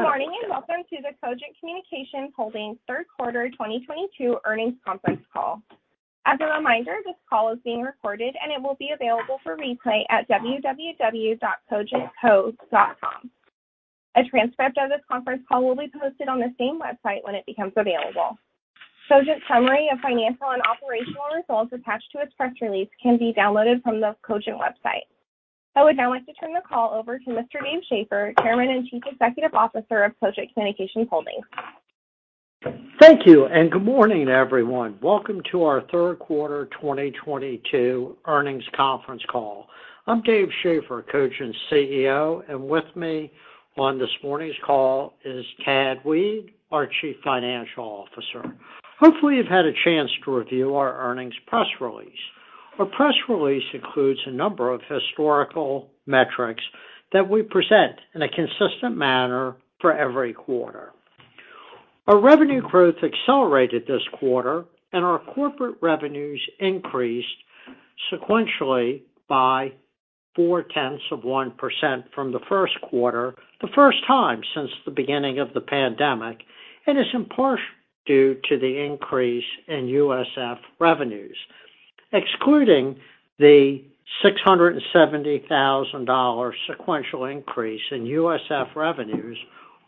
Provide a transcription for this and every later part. Good morning, and welcome to the Cogent Communications Holdings third quarter 2022 earnings conference call. As a reminder, this call is being recorded, and it will be available for replay at www.cogentco.com. A transcript of this conference call will be posted on the same website when it becomes available. Cogent's summary of financial and operational results attached to its press release can be downloaded from the Cogent website. I would now like to turn the call over to Mr. Dave Schaeffer, Chairman and Chief Executive Officer of Cogent Communications Holdings. Thank you, and good morning, everyone. Welcome to our third quarter 2022 earnings conference call. I'm Dave Schaeffer, Cogent's CEO, and with me on this morning's call is Tad Weed, our Chief Financial Officer. Hopefully, you've had a chance to review our earnings press release. Our press release includes a number of historical metrics that we present in a consistent manner for every quarter. Our revenue growth accelerated this quarter, and our corporate revenues increased sequentially by 0.4% from the first quarter, the first time since the beginning of the pandemic. It is in part due to the increase in USF revenues. Excluding the $670,000 sequential increase in USF revenues,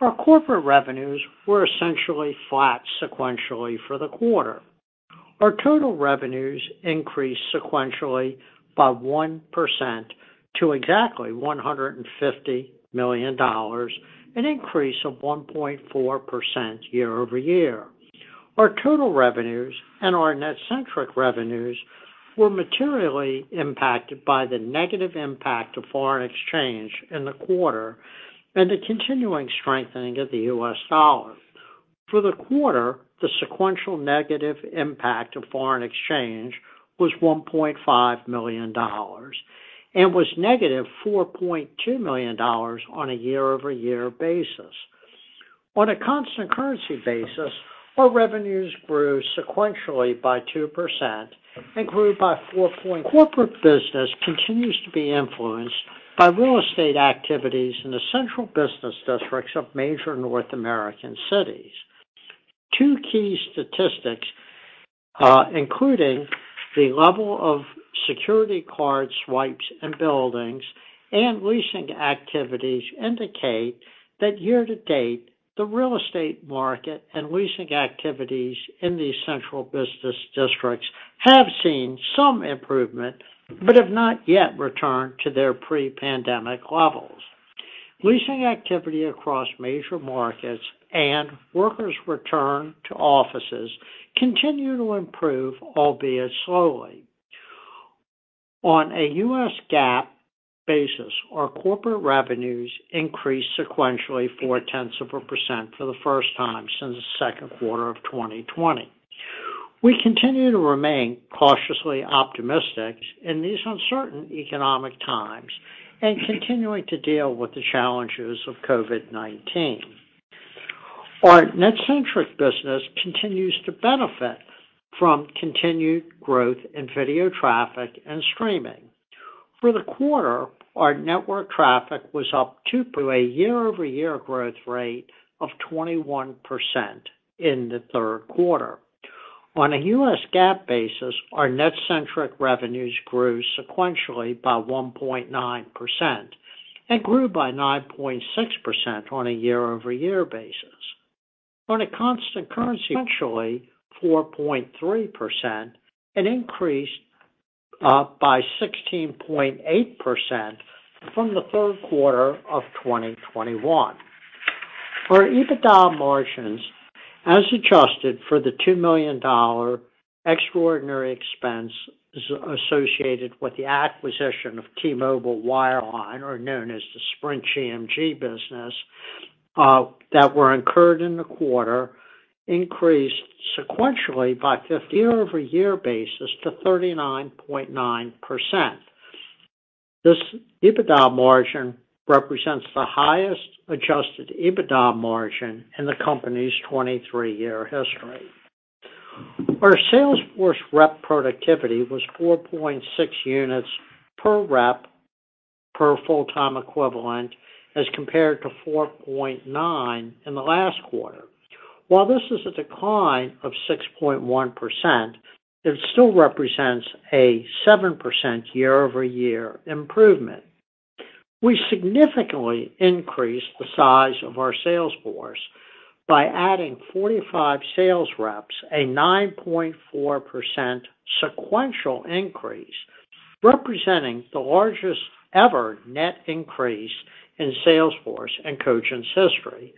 our corporate revenues were essentially flat sequentially for the quarter. Our total revenues increased sequentially by 1% to exactly $150 million, an increase of 1.4% year-over-year. Our total revenues and our NetCentric revenues were materially impacted by the negative impact of foreign exchange in the quarter and the continuing strengthening of the U.S. dollar. For the quarter, the sequential negative impact of foreign exchange was $1.5 million and was -$4.2 million on a year-over-year basis. On a constant currency basis, our revenues grew sequentially by 2% and grew by 4%. Corporate business continues to be influenced by real estate activities in the central business districts of major North American cities. Two key statistics, including the level of security card swipes in buildings and leasing activities, indicate that year-to-date, the real estate market and leasing activities in these central business districts have seen some improvement but have not yet returned to their pre-pandemic levels. Leasing activity across major markets and workers' return to offices continue to improve, albeit slowly. On a U.S. GAAP basis, our corporate revenues increased sequentially 0.4% for the first time since the second quarter of 2020. We continue to remain cautiously optimistic in these uncertain economic times and continuing to deal with the challenges of COVID-19. Our NetCentric business continues to benefit from continued growth in video traffic and streaming. For the quarter, our network traffic was up to a year-over-year growth rate of 21% in the third quarter. On a U.S. GAAP basis, our NetCentric revenues grew sequentially by 1.9% and grew by 9.6% on a year-over-year basis. On a constant currency sequentially 4.3%, an increase by 16.8% from the third quarter of 2021. Our EBITDA margins as adjusted for the $2 million extraordinary expense associated with the acquisition of T-Mobile wireline, or known as the Sprint GMG business, that were incurred in the quarter increased sequentially by 50% on a year-over-year basis to 39.9%. This EBITDA margin represents the highest adjusted EBITDA margin in the company's 23-year history. Our sales force rep productivity was 4.6 units per rep per full-time equivalent as compared to 4.9 in the last quarter. While this is a decline of 6.1%, it still represents a 7% year-over-year improvement. We significantly increased the size of our sales force by adding 45 sales reps, a 9.4% sequential increase, representing the largest ever net increase in sales force in Cogent's history.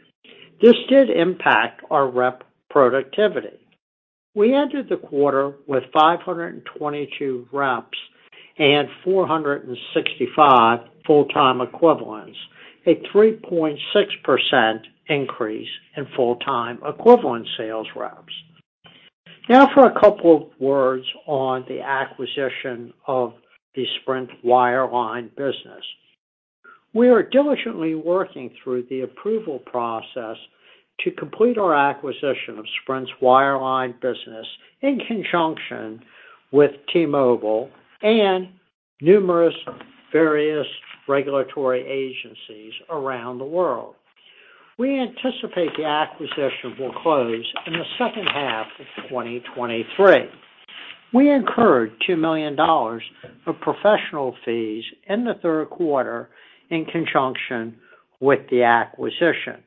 This did impact our rep productivity. We entered the quarter with 522 reps and 465 full-time equivalents, a 3.6% increase in full-time equivalent sales reps. Now for a couple of words on the acquisition of the Sprint wireline business. We are diligently working through the approval process to complete our acquisition of Sprint's wireline business in conjunction with T-Mobile and various regulatory agencies around the world. We anticipate the acquisition will close in the second half of 2023. We incurred $2 million of professional fees in the third quarter in conjunction with the acquisition.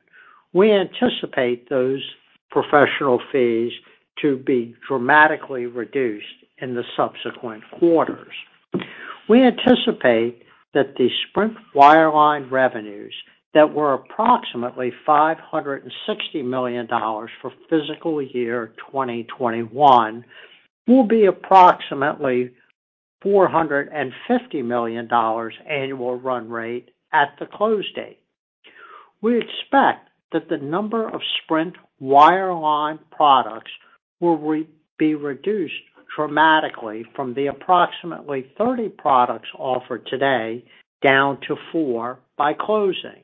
We anticipate those professional fees to be dramatically reduced in the subsequent quarters. We anticipate that the Sprint wireline revenues that were approximately $560 million for fiscal year 2021 will be approximately $450 million annual run rate at the close date. We expect that the number of Sprint wireline products will be reduced dramatically from the approximately 30 products offered today down to 4 by closing.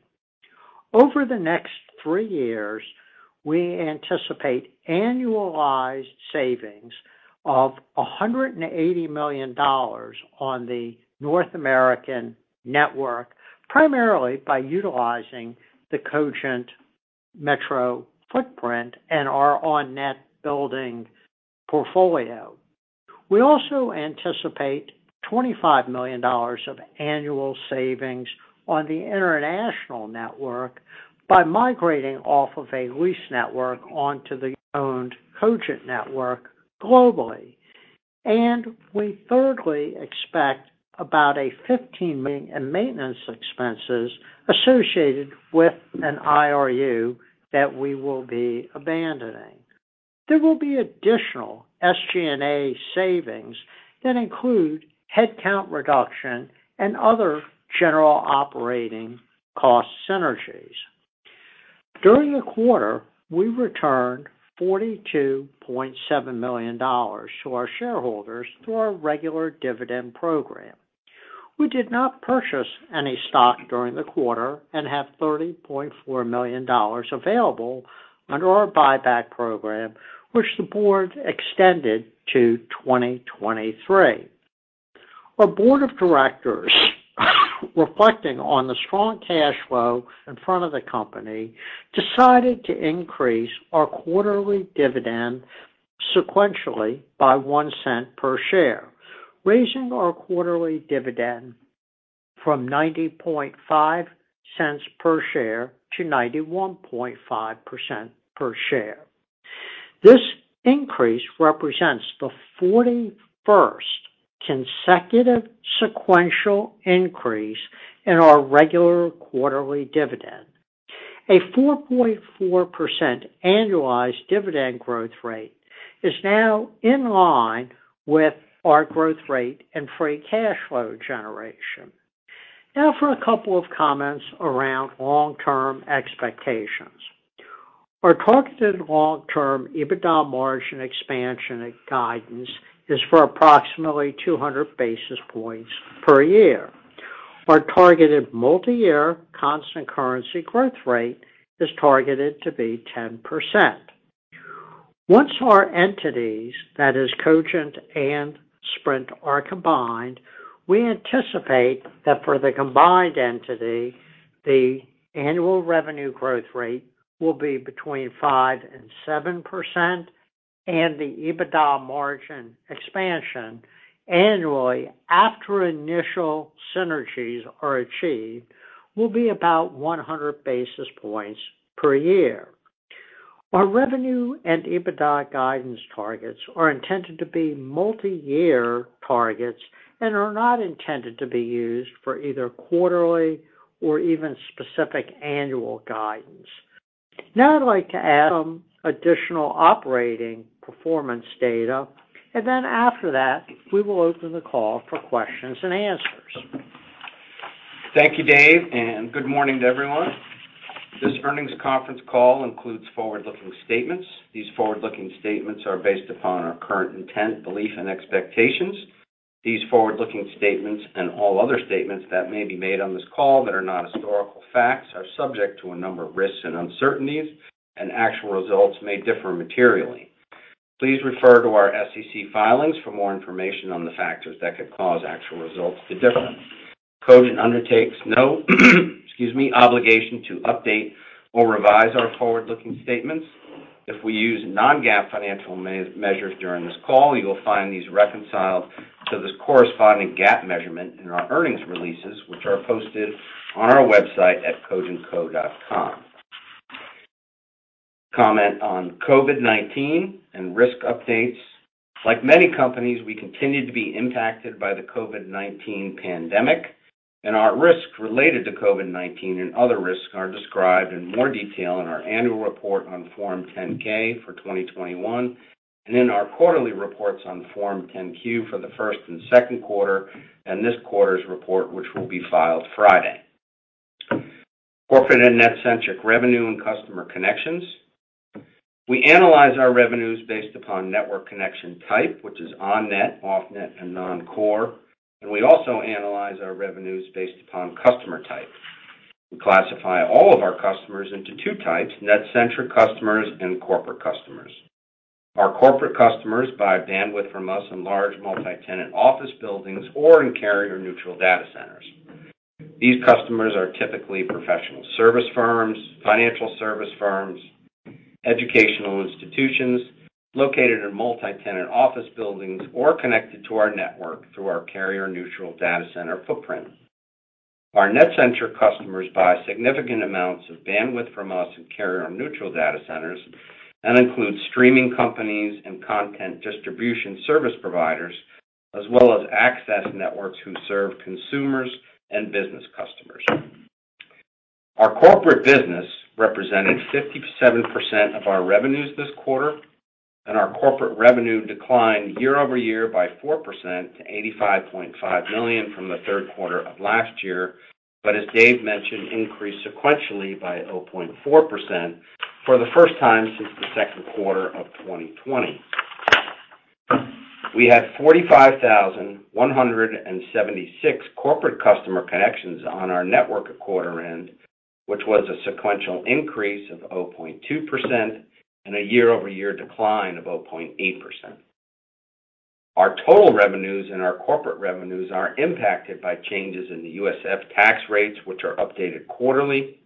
Over the next three years, we anticipate annualized savings of $180 million on the North American network, primarily by utilizing the Cogent metro footprint and our on-net building portfolio. We also anticipate $25 million of annual savings on the international network by migrating off of a lease network onto the owned Cogent network globally. We thirdly expect about $15 million in maintenance expenses associated with an IRU that we will be abandoning. There will be additional SG&A savings that include headcount reduction and other general operating cost synergies. During the quarter, we returned $42.7 million to our shareholders through our regular dividend program. We did not purchase any stock during the quarter and have $30.4 million available under our buyback program, which the board extended to 2023. Our board of directors, reflecting on the strong cash flow in front of the company, decided to increase our quarterly dividend sequentially by $0.01 per share, raising our quarterly dividend from $0.905 per share to $0.915 per share. This increase represents the 41st consecutive sequential increase in our regular quarterly dividend. A 4.4% annualized dividend growth rate is now in line with our growth rate and free cash flow generation. Now for a couple of comments around long-term expectations. Our targeted long-term EBITDA margin expansion guidance is for approximately 200 basis points per year. Our targeted multiyear constant currency growth rate is targeted to be 10%. Once our entities, that is Cogent and Sprint, are combined, we anticipate that for the combined entity, the annual revenue growth rate will be between 5% and 7%, and the EBITDA margin expansion annually after initial synergies are achieved will be about 100 basis points per year. Our revenue and EBITDA guidance targets are intended to be multiyear targets and are not intended to be used for either quarterly or even specific annual guidance. Now I'd like to add some additional operating performance data, and then after that, we will open the call for questions and answers. Thank you, Dave, and good morning to everyone. This earnings conference call includes forward-looking statements. These forward-looking statements are based upon our current intent, belief, and expectations. These forward-looking statements and all other statements that may be made on this call that are not historical facts are subject to a number of risks and uncertainties, and actual results may differ materially. Please refer to our SEC filings for more information on the factors that could cause actual results to differ. Cogent undertakes no obligation to update or revise our forward-looking statements. If we use non-GAAP financial measures during this call, you will find these reconciled to the corresponding GAAP measure in our earnings releases, which are posted on our website at cogentco.com. Comment on COVID-19 and risk updates. Like many companies, we continue to be impacted by the COVID-19 pandemic, and our risks related to COVID-19 and other risks are described in more detail in our annual report on Form 10-K for 2021 and in our quarterly reports on Form 10-Q for the first and second quarter and this quarter's report, which will be filed Friday. Corporate and NetCentric revenue and customer connections. We analyze our revenues based upon network connection type, which is on-net, off-net, and non-core. We also analyze our revenues based upon customer type. We classify all of our customers into two types: NetCentric customers and corporate customers. Our corporate customers buy bandwidth from us in large multi-tenant office buildings or in carrier-neutral data centers. These customers are typically professional service firms, financial service firms, educational institutions located in multi-tenant office buildings or connected to our network through our carrier-neutral data center footprint. Our NetCentric customers buy significant amounts of bandwidth from us in carrier or neutral data centers and include streaming companies and content distribution service providers, as well as access networks who serve consumers and business customers. Our corporate business represented 57% of our revenues this quarter, and our corporate revenue declined year-over-year by 4% to $85.5 million from the third quarter of last year, but as Dave mentioned, increased sequentially by 0.4% for the first time since the second quarter of 2020. We had 45,176 corporate customer connections on our network at quarter-end, which was a sequential increase of 0.2% and a year-over-year decline of 0.8%. Our total revenues and our corporate revenues are impacted by changes in the USF tax rates, which are updated quarterly.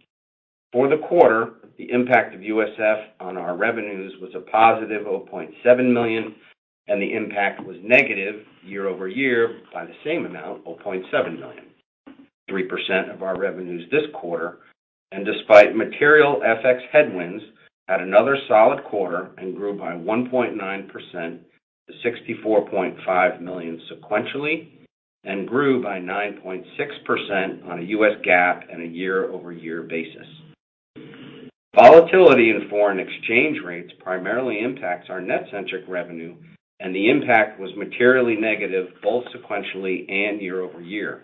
For the quarter, the impact of USF on our revenues was a +$0.7 million, and the impact was negative year-over-year by the same amount, $0.7 million. 3% of our revenues this quarter, and despite material FX headwinds, had another solid quarter and grew by 1.9% to $64.5 million sequentially and grew by 9.6% on a U.S. GAAP and a year-over-year basis. Volatility in foreign exchange rates primarily impacts our net centric revenue, and the impact was materially negative both sequentially and year-over-year.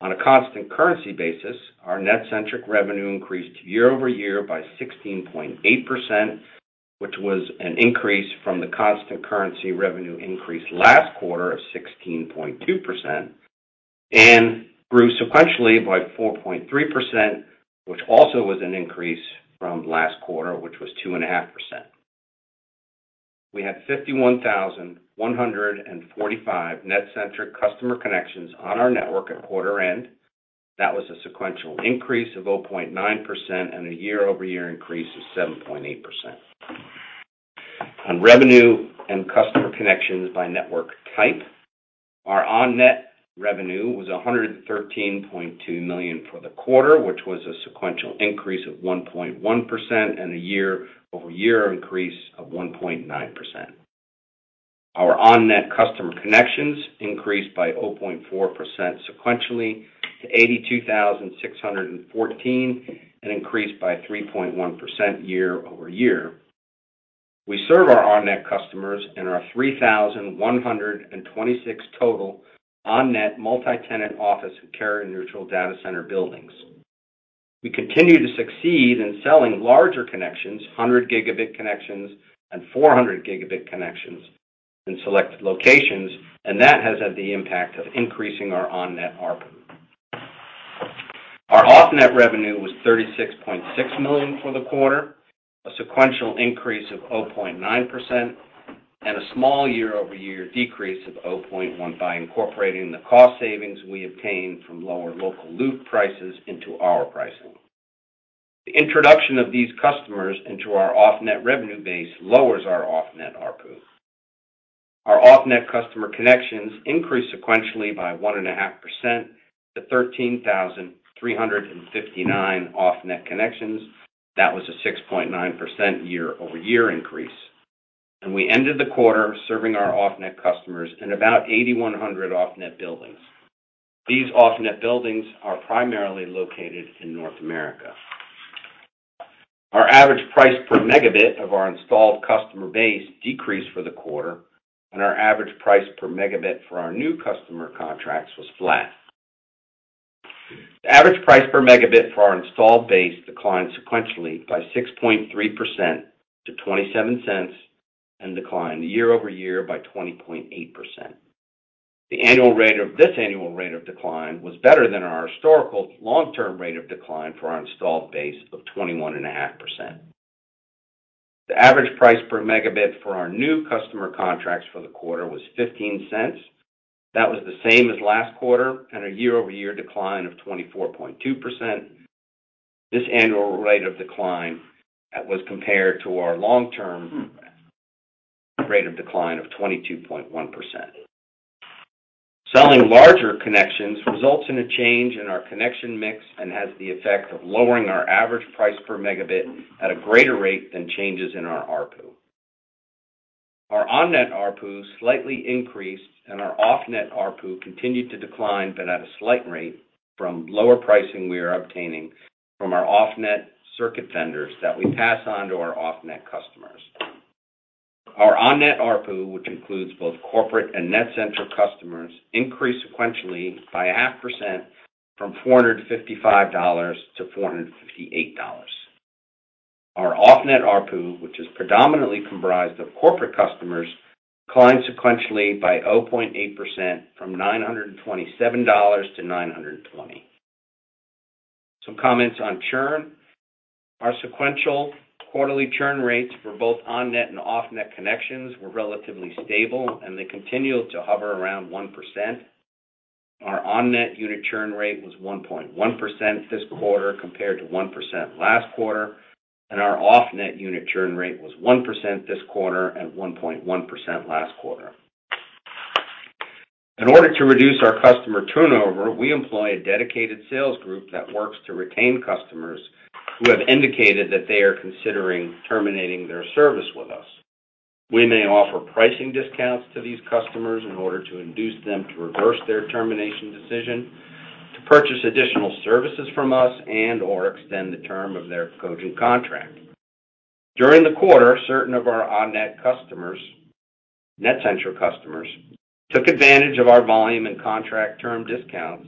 On a constant currency basis, our net-centric revenue increased year over year by 16.8%, which was an increase from the constant currency revenue increase last quarter of 16.2%, and grew sequentially by 4.3%, which also was an increase from last quarter, which was 2.5%. We had 51,145 net-centric customer connections on our network at quarter end. That was a sequential increase of 0.9% and a year-over-year increase of 7.8%. On revenue and customer connections by network type, our on-net revenue was $113.2 million for the quarter, which was a sequential increase of 1.1% and a year-over-year increase of 1.9%. Our on-net customer connections increased by 0.4% sequentially to 82,614, and increased by 3.1% year-over-year. We serve our on-net customers in our 3,126 total on-net multi-tenant office and carrier-neutral data center buildings. We continue to succeed in selling larger connections, 100 Gb connections and 400 Gb connections in select locations, and that has had the impact of increasing our on-net ARPU. Our off-net revenue was $36.6 million for the quarter, a sequential increase of 0.9%, and a small year-over-year decrease of 0.1% by incorporating the cost savings we obtained from lower local loop prices into our pricing. The introduction of these customers into our off-net revenue base lowers our off-net ARPU. Our off-net customer connections increased sequentially by 1.5% to 13,359 off-net connections. That was a 6.9% year-over-year increase. We ended the quarter serving our off-net customers in about 8,100 off-net buildings. These off-net buildings are primarily located in North America. Our average price per megabit of our installed customer base decreased for the quarter, and our average price per megabit for our new customer contracts was flat. The average price per megabit for our installed base declined sequentially by 6.3% to $0.27 and declined year-over-year by 20.8%. This annual rate of decline was better than our historical long-term rate of decline for our installed base of 21.5%. The average price per megabit for our new customer contracts for the quarter was $0.15. That was the same as last quarter and a year-over-year decline of 24.2%. This annual rate of decline was compared to our long-term rate of decline of 22.1%. Selling larger connections results in a change in our connection mix and has the effect of lowering our average price per megabit at a greater rate than changes in our ARPU. Our on-net ARPU slightly increased, and our off-net ARPU continued to decline, but at a slight rate from lower pricing we are obtaining from our off-net circuit vendors that we pass on to our off-net customers. Our on-net ARPU, which includes both corporate and NetCentric customers, increased sequentially by 0.5% from $455 to $458. Our off-net ARPU, which is predominantly comprised of corporate customers, declined sequentially by 0.8% from $927 to $920. Some comments on churn. Our sequential quarterly churn rates for both on-net and off-net connections were relatively stable, and they continued to hover around 1%. Our on-net unit churn rate was 1.1% this quarter, compared to 1% last quarter, and our off-net unit churn rate was 1% this quarter and 1.1% last quarter. In order to reduce our customer turnover, we employ a dedicated sales group that works to retain customers who have indicated that they are considering terminating their service with us. We may offer pricing discounts to these customers in order to induce them to reverse their termination decision, to purchase additional services from us, and/or extend the term of their Cogent contract. During the quarter, certain of our on-net customers, NetCentric customers, took advantage of our volume and contract term discounts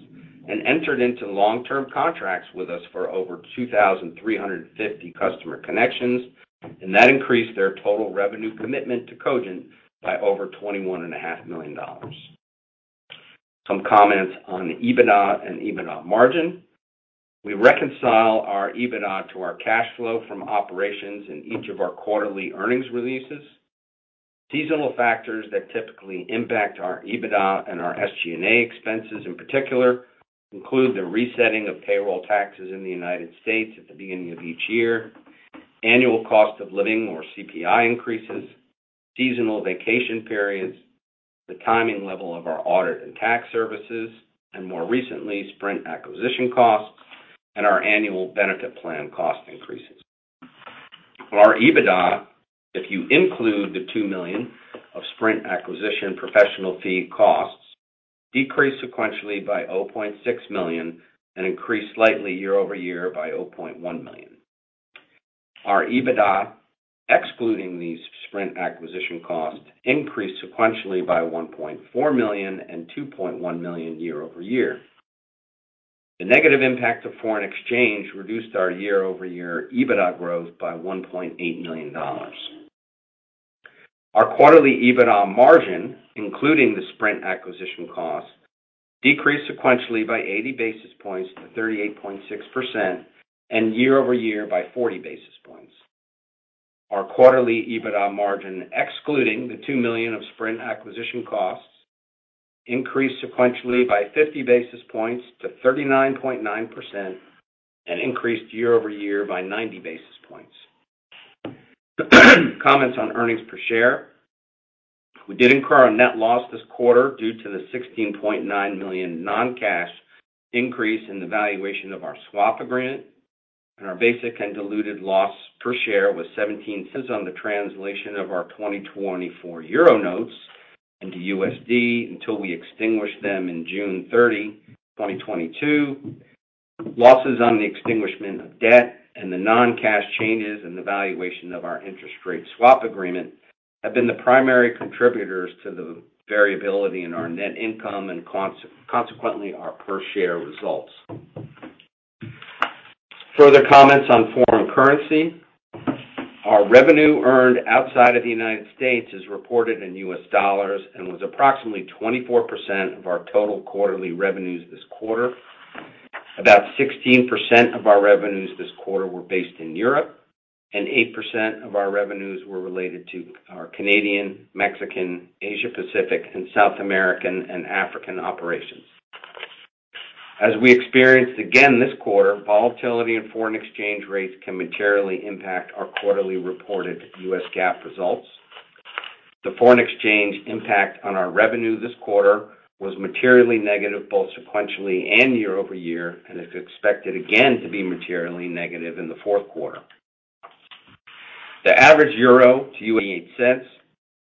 and entered into long-term contracts with us for over 2,350 customer connections, and that increased their total revenue commitment to Cogent by over $21.5 million. Some comments on EBITDA and EBITDA margin. We reconcile our EBITDA to our cash flow from operations in each of our quarterly earnings releases. Seasonal factors that typically impact our EBITDA and our SG&A expenses in particular include the resetting of payroll taxes in the United States at the beginning of each year, annual cost of living or CPI increases, seasonal vacation periods, the timing level of our audit and tax services, and more recently, Sprint acquisition costs and our annual benefit plan cost increases. Our EBITDA, if you include the $2 million of Sprint acquisition professional fee costs, decreased sequentially by $0.6 million and increased slightly year over year by $0.1 million. Our EBITDA, excluding these Sprint acquisition costs, increased sequentially by $1.4 million and $2.1 million year over year. The negative impact of foreign exchange reduced our year-over-year EBITDA growth by $1.8 million. Our quarterly EBITDA margin, including the Sprint acquisition cost, decreased sequentially by 80 basis points to 38.6% and year over year by 40 basis points. Our quarterly EBITDA margin, excluding the $2 million of Sprint acquisition costs, increased sequentially by 50 basis points to 39.9% and increased year over year by 90 basis points. Comments on earnings per share. We did incur a net loss this quarter due to the $16.9 million non-cash increase in the valuation of our swap agreement, and our basic and diluted loss per share was $0.17 on the translation of our 2024 euro notes into USD until we extinguished them in June 30, 2022. Losses on the extinguishment of debt and the non-cash changes in the valuation of our interest rate swap agreement have been the primary contributors to the variability in our net income and consequently, our per share results. Further comments on foreign currency. Our revenue earned outside of the United States is reported in U.S. dollars and was approximately 24% of our total quarterly revenues this quarter. About 16% of our revenues this quarter were based in Europe, and 8% of our revenues were related to our Canadian, Mexican, Asia-Pacific, and South American, and African operations. As we experienced again this quarter, volatility in foreign exchange rates can materially impact our quarterly reported U.S. GAAP results. The foreign exchange impact on our revenue this quarter was materially negative, both sequentially and year-over-year, and is expected again to be materially negative in the fourth quarter. The average euro to U.S. dollar is $0.80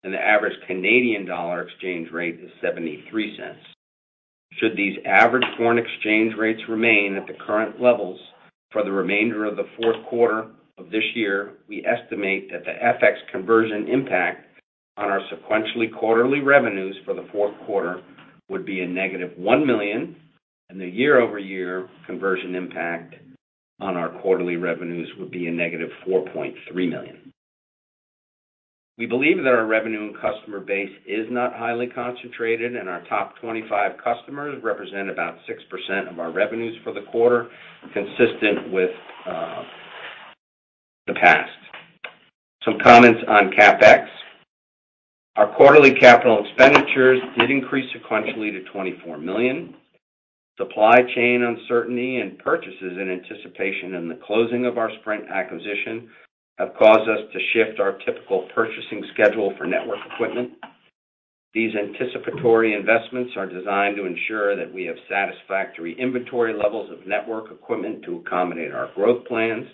And the average Canadian dollar exchange rate is $0.73. Should these average foreign exchange rates remain at the current levels for the remainder of the fourth quarter of this year, we estimate that the FX conversion impact on our sequential quarterly revenues for the fourth quarter would be a -$1 million, and the year-over-year conversion impact on our quarterly revenues would be a -$4.3 million. We believe that our revenue and customer base is not highly concentrated, and our top 25 customers represent about 6% of our revenues for the quarter, consistent with the past. Some comments on CapEx. Our quarterly capital expenditures did increase sequentially to $24 million. Supply chain uncertainty and purchases in anticipation of the closing of our Sprint acquisition have caused us to shift our typical purchasing schedule for network equipment. These anticipatory investments are designed to ensure that we have satisfactory inventory levels of network equipment to accommodate our growth plans,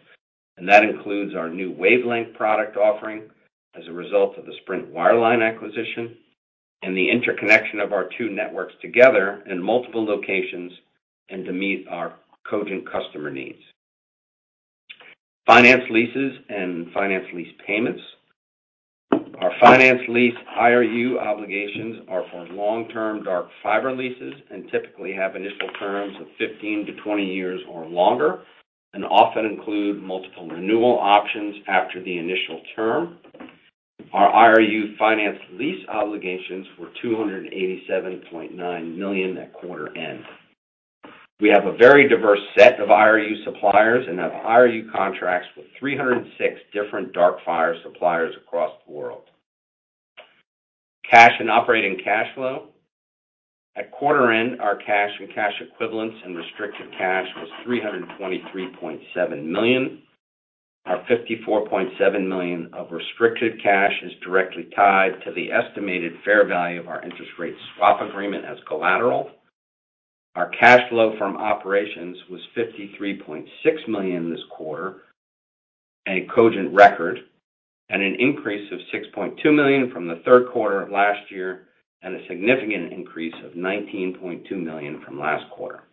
and that includes our new wavelength product offering as a result of the Sprint wireline acquisition and the interconnection of our two networks together in multiple locations and to meet our Cogent customer needs. Finance leases and finance lease payments. Our finance lease IRU obligations are for long-term dark fiber leases and typically have initial terms of 15-20 years or longer and often include multiple renewal options after the initial term. Our IRU finance lease obligations were $287.9 million at quarter end. We have a very diverse set of IRU suppliers and have IRU contracts with 306 different dark fiber suppliers across the world. Cash and operating cash flow. At quarter end, our cash and cash equivalents and restricted cash was $323.7 million. Our $54.7 million of restricted cash is directly tied to the estimated fair value of our interest rate swap agreement as collateral. Our cash flow from operations was $53.6 million this quarter, a Cogent record, and an increase of $6.2 million from the third quarter of last year, and a significant increase of $19.2 million from last quarter.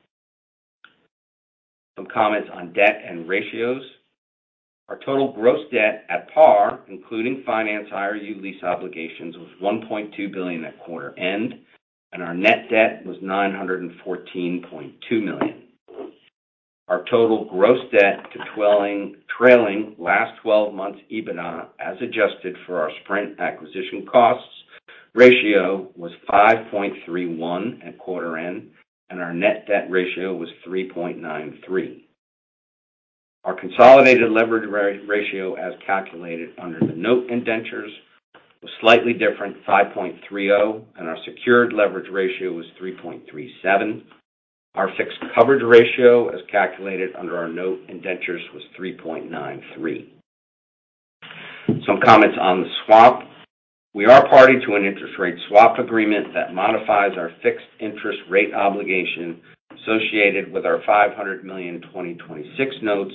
Some comments on debt and ratios. Our total gross debt at par, including finance IRU lease obligations, was $1.2 billion at quarter end, and our net debt was $914.2 million. Our total gross debt to trailing last 12 months EBITDA, as adjusted for our Sprint acquisition costs, ratio was 5.31 at quarter end, and our net debt ratio was 3.93. Our consolidated leverage ratio, as calculated under the note indentures, was slightly different, 5.30, and our secured leverage ratio was 3.37. Our fixed coverage ratio, as calculated under our note indentures, was 3.93. Some comments on the swap. We are party to an interest rate swap agreement that modifies our fixed interest rate obligation associated with our $500 million 2026 notes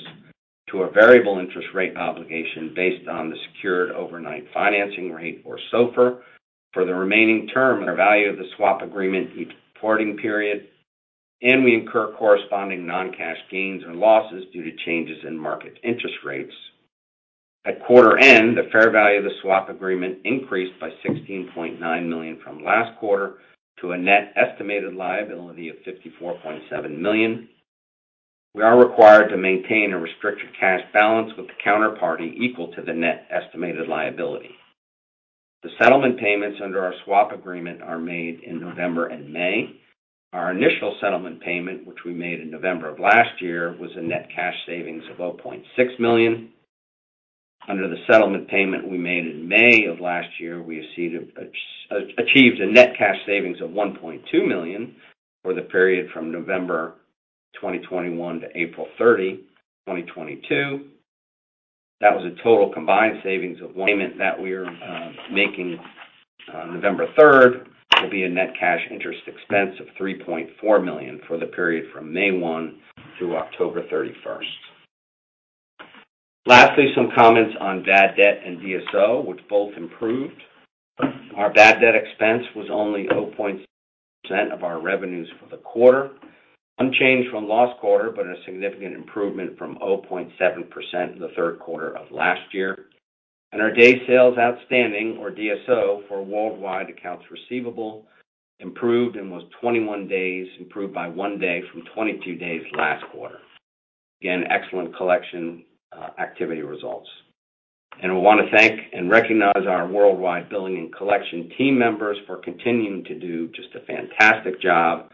to a variable interest rate obligation based on the secured overnight financing rate, or SOFR, for the remaining term or value of the swap agreement each reporting period, and we incur corresponding non-cash gains or losses due to changes in market interest rates. At quarter end, the fair value of the swap agreement increased by $16.9 million from last quarter to a net estimated liability of $54.7 million. We are required to maintain a restricted cash balance with the counterparty equal to the net estimated liability. The settlement payments under our swap agreement are made in November and May. Our initial settlement payment, which we made in November of last year, was a net cash savings of $0.6 million. Under the settlement payment we made in May of last year, we received achieved a net cash savings of $1.2 million for the period from November 2021 to April 30, 2022. That was a total combined savings of payment that we are making on November 3 will be a net cash interest expense of $3.4 million for the period from May 1 through October 31. Lastly, some comments on bad debt and DSO, which both improved. Our bad debt expense was only [0%] of our revenues for the quarter, unchanged from last quarter, but a significant improvement from 0.7% in the third quarter of last year. Our day sales outstanding, or DSO, for worldwide accounts receivable improved and was 21 days, improved by one day from 22 days last quarter. Again, excellent collection activity results. We want to thank and recognize our worldwide billing and collection team members for continuing to do just a fantastic job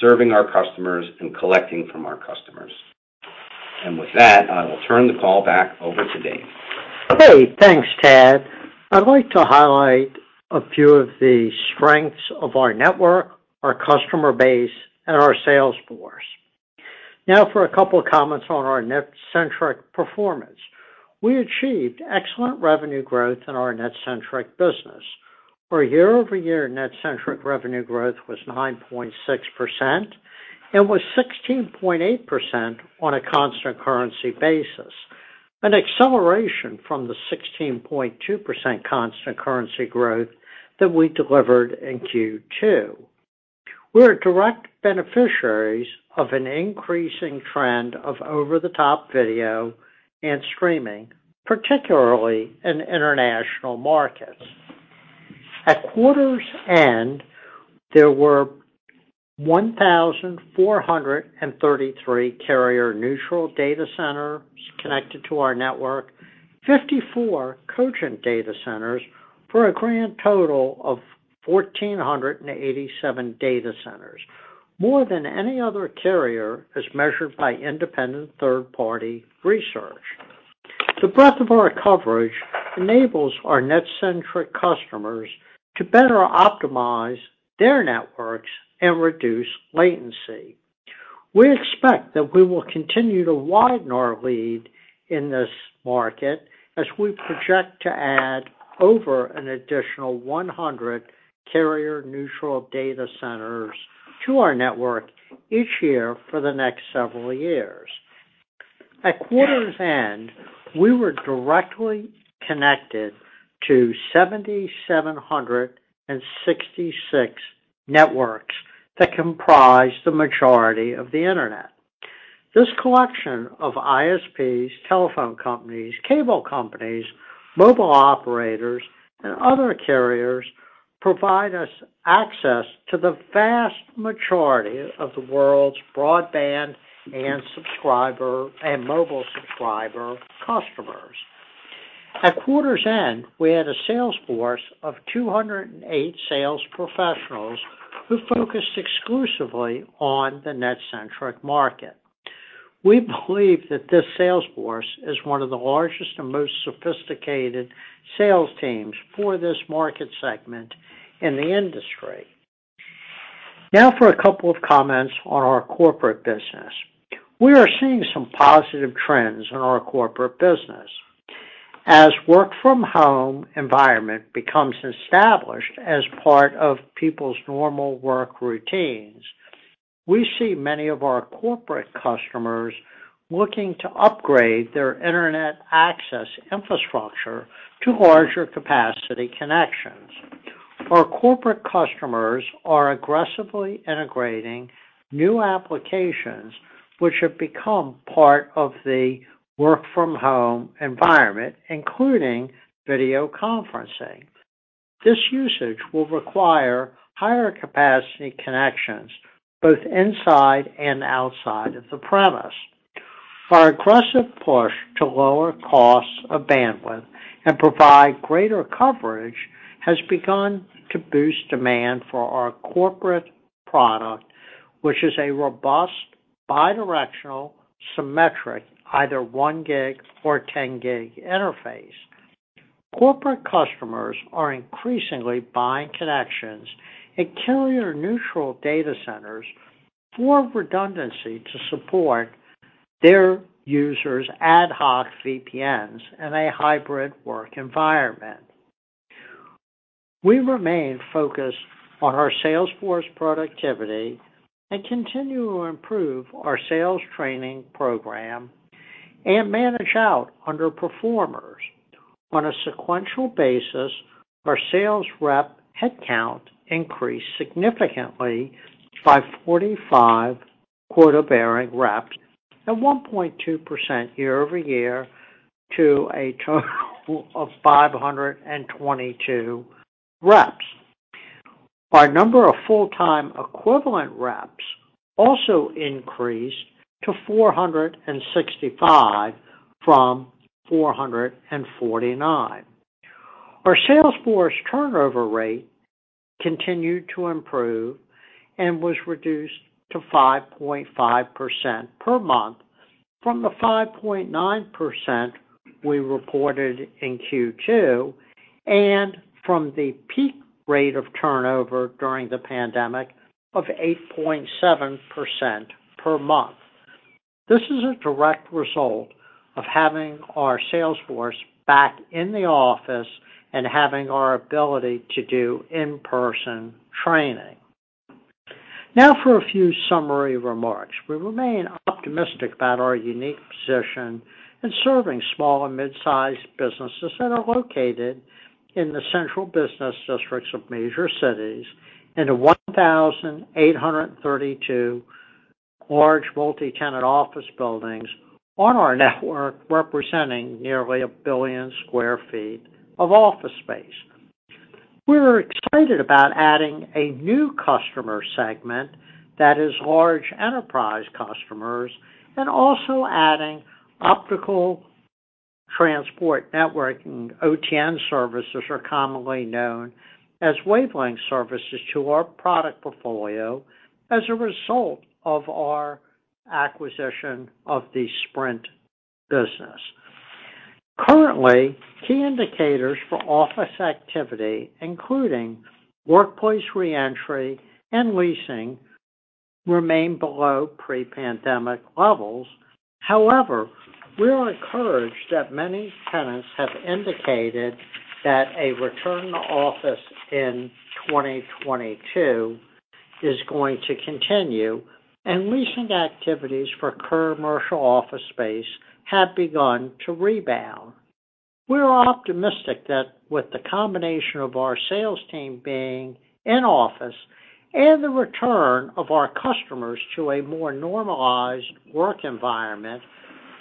serving our customers and collecting from our customers. With that, I will turn the call back over to Dave. Okay, thanks, Tad. I'd like to highlight a few of the strengths of our network, our customer base, and our sales force. Now for a couple of comments on our NetCentric performance. We achieved excellent revenue growth in our NetCentric business, where year-over-year NetCentric revenue growth was 9.6% and was 16.8% on a constant currency basis, an acceleration from the 16.2% constant currency growth that we delivered in Q2. We are direct beneficiaries of an increasing trend of over-the-top video and streaming, particularly in international markets. At quarter's end, there were 1,433 carrier-neutral data centers connected to our network, 54 Cogent data centers for a grand total of 1,487 data centers, more than any other carrier as measured by independent third-party research. The breadth of our coverage enables our NetCentric customers to better optimize their networks and reduce latency. We expect that we will continue to widen our lead in this market as we project to add over an additional 100 carrier-neutral data centers to our network each year for the next several years. At quarter's end, we were directly connected to 7,766 networks that comprise the majority of the Internet. This collection of ISPs, telephone companies, cable companies, mobile operators, and other carriers provide us access to the vast majority of the world's broadband and subscriber and mobile subscriber customers. At quarter's end, we had a sales force of 208 sales professionals who focused exclusively on the NetCentric market. We believe that this sales force is one of the largest and most sophisticated sales teams for this market segment in the industry. Now for a couple of comments on our corporate business. We are seeing some positive trends in our corporate business. As work from home environment becomes established as part of people's normal work routines, we see many of our corporate customers looking to upgrade their Internet access infrastructure to larger capacity connections. Our corporate customers are aggressively integrating new applications which have become part of the work from home environment, including video conferencing. This usage will require higher capacity connections both inside and outside of the premise. Our aggressive push to lower costs of bandwidth and provide greater coverage has begun to boost demand for our corporate product, which is a robust bidirectional symmetric, either 1 gig or 10 gig interface. Corporate customers are increasingly buying connections at carrier-neutral data centers for redundancy to support their users' ad hoc VPNs in a hybrid work environment. We remain focused on our sales force productivity and continue to improve our sales training program and manage out underperformers. On a sequential basis, our sales rep headcount increased significantly by 45 quota-bearing reps at 1.2% year-over-year to a total of 522 reps. Our number of full-time equivalent reps also increased to 465 from 449. Our sales force turnover rate continued to improve and was reduced to 5.5% per month from the 5.9% we reported in Q2, and from the peak rate of turnover during the pandemic of 8.7% per month. This is a direct result of having our sales force back in the office and having our ability to do in-person training. Now for a few summary remarks. We remain optimistic about our unique position in serving small and mid-sized businesses that are located in the central business districts of major cities in 1,832 large multi-tenant office buildings on our network, representing nearly 1 billion sq ft of office space. We're excited about adding a new customer segment that is large enterprise customers, and also adding optical transport networking, OTN services are commonly known as wavelength services, to our product portfolio as a result of our acquisition of the Sprint business. Currently, key indicators for office activity, including workplace reentry and leasing, remain below pre-pandemic levels. However, we are encouraged that many tenants have indicated that a return to office in 2022 is going to continue, and recent activities for commercial office space have begun to rebound. We are optimistic that with the combination of our sales team being in office and the return of our customers to a more normalized work environment,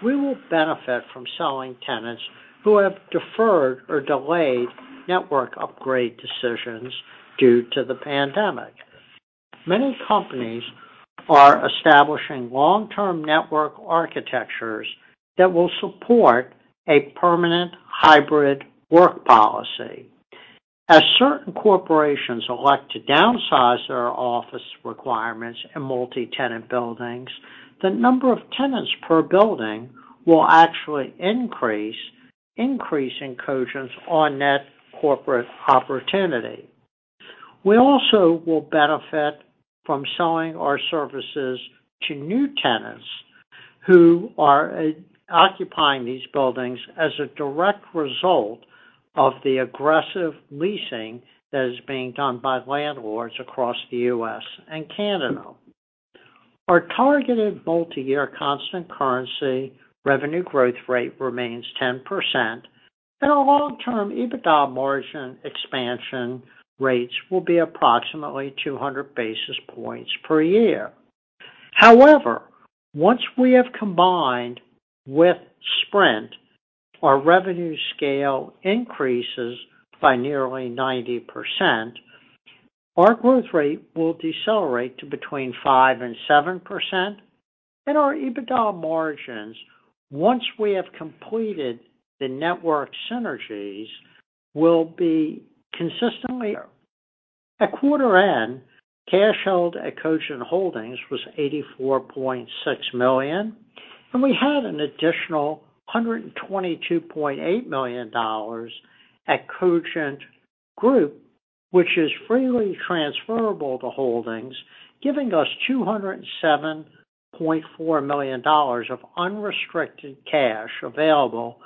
we will benefit from selling tenants who have deferred or delayed network upgrade decisions due to the pandemic. Many companies are establishing long-term network architectures that will support a permanent hybrid work policy. As certain corporations elect to downsize their office requirements in multi-tenant buildings, the number of tenants per building will actually increase, increasing Cogent's on-net corporate opportunity. We also will benefit from selling our services to new tenants who are occupying these buildings as a direct result of the aggressive leasing that is being done by landlords across the U.S. and Canada. Our targeted multi-year constant currency revenue growth rate remains 10%, and our long-term EBITDA margin expansion rates will be approximately 200 basis points per year. However, once we have combined with Sprint, our revenue scale increases by nearly 90%. Our growth rate will decelerate to between 5% and 7%, and our EBITDA margins, once we have completed the network synergies, will be consistently. At quarter end, cash held at Cogent Holdings was $84.6 million, and we had an additional $122.8 million at Cogent Group, which is freely transferable to Holdings, giving us $207.4 million of unrestricted cash available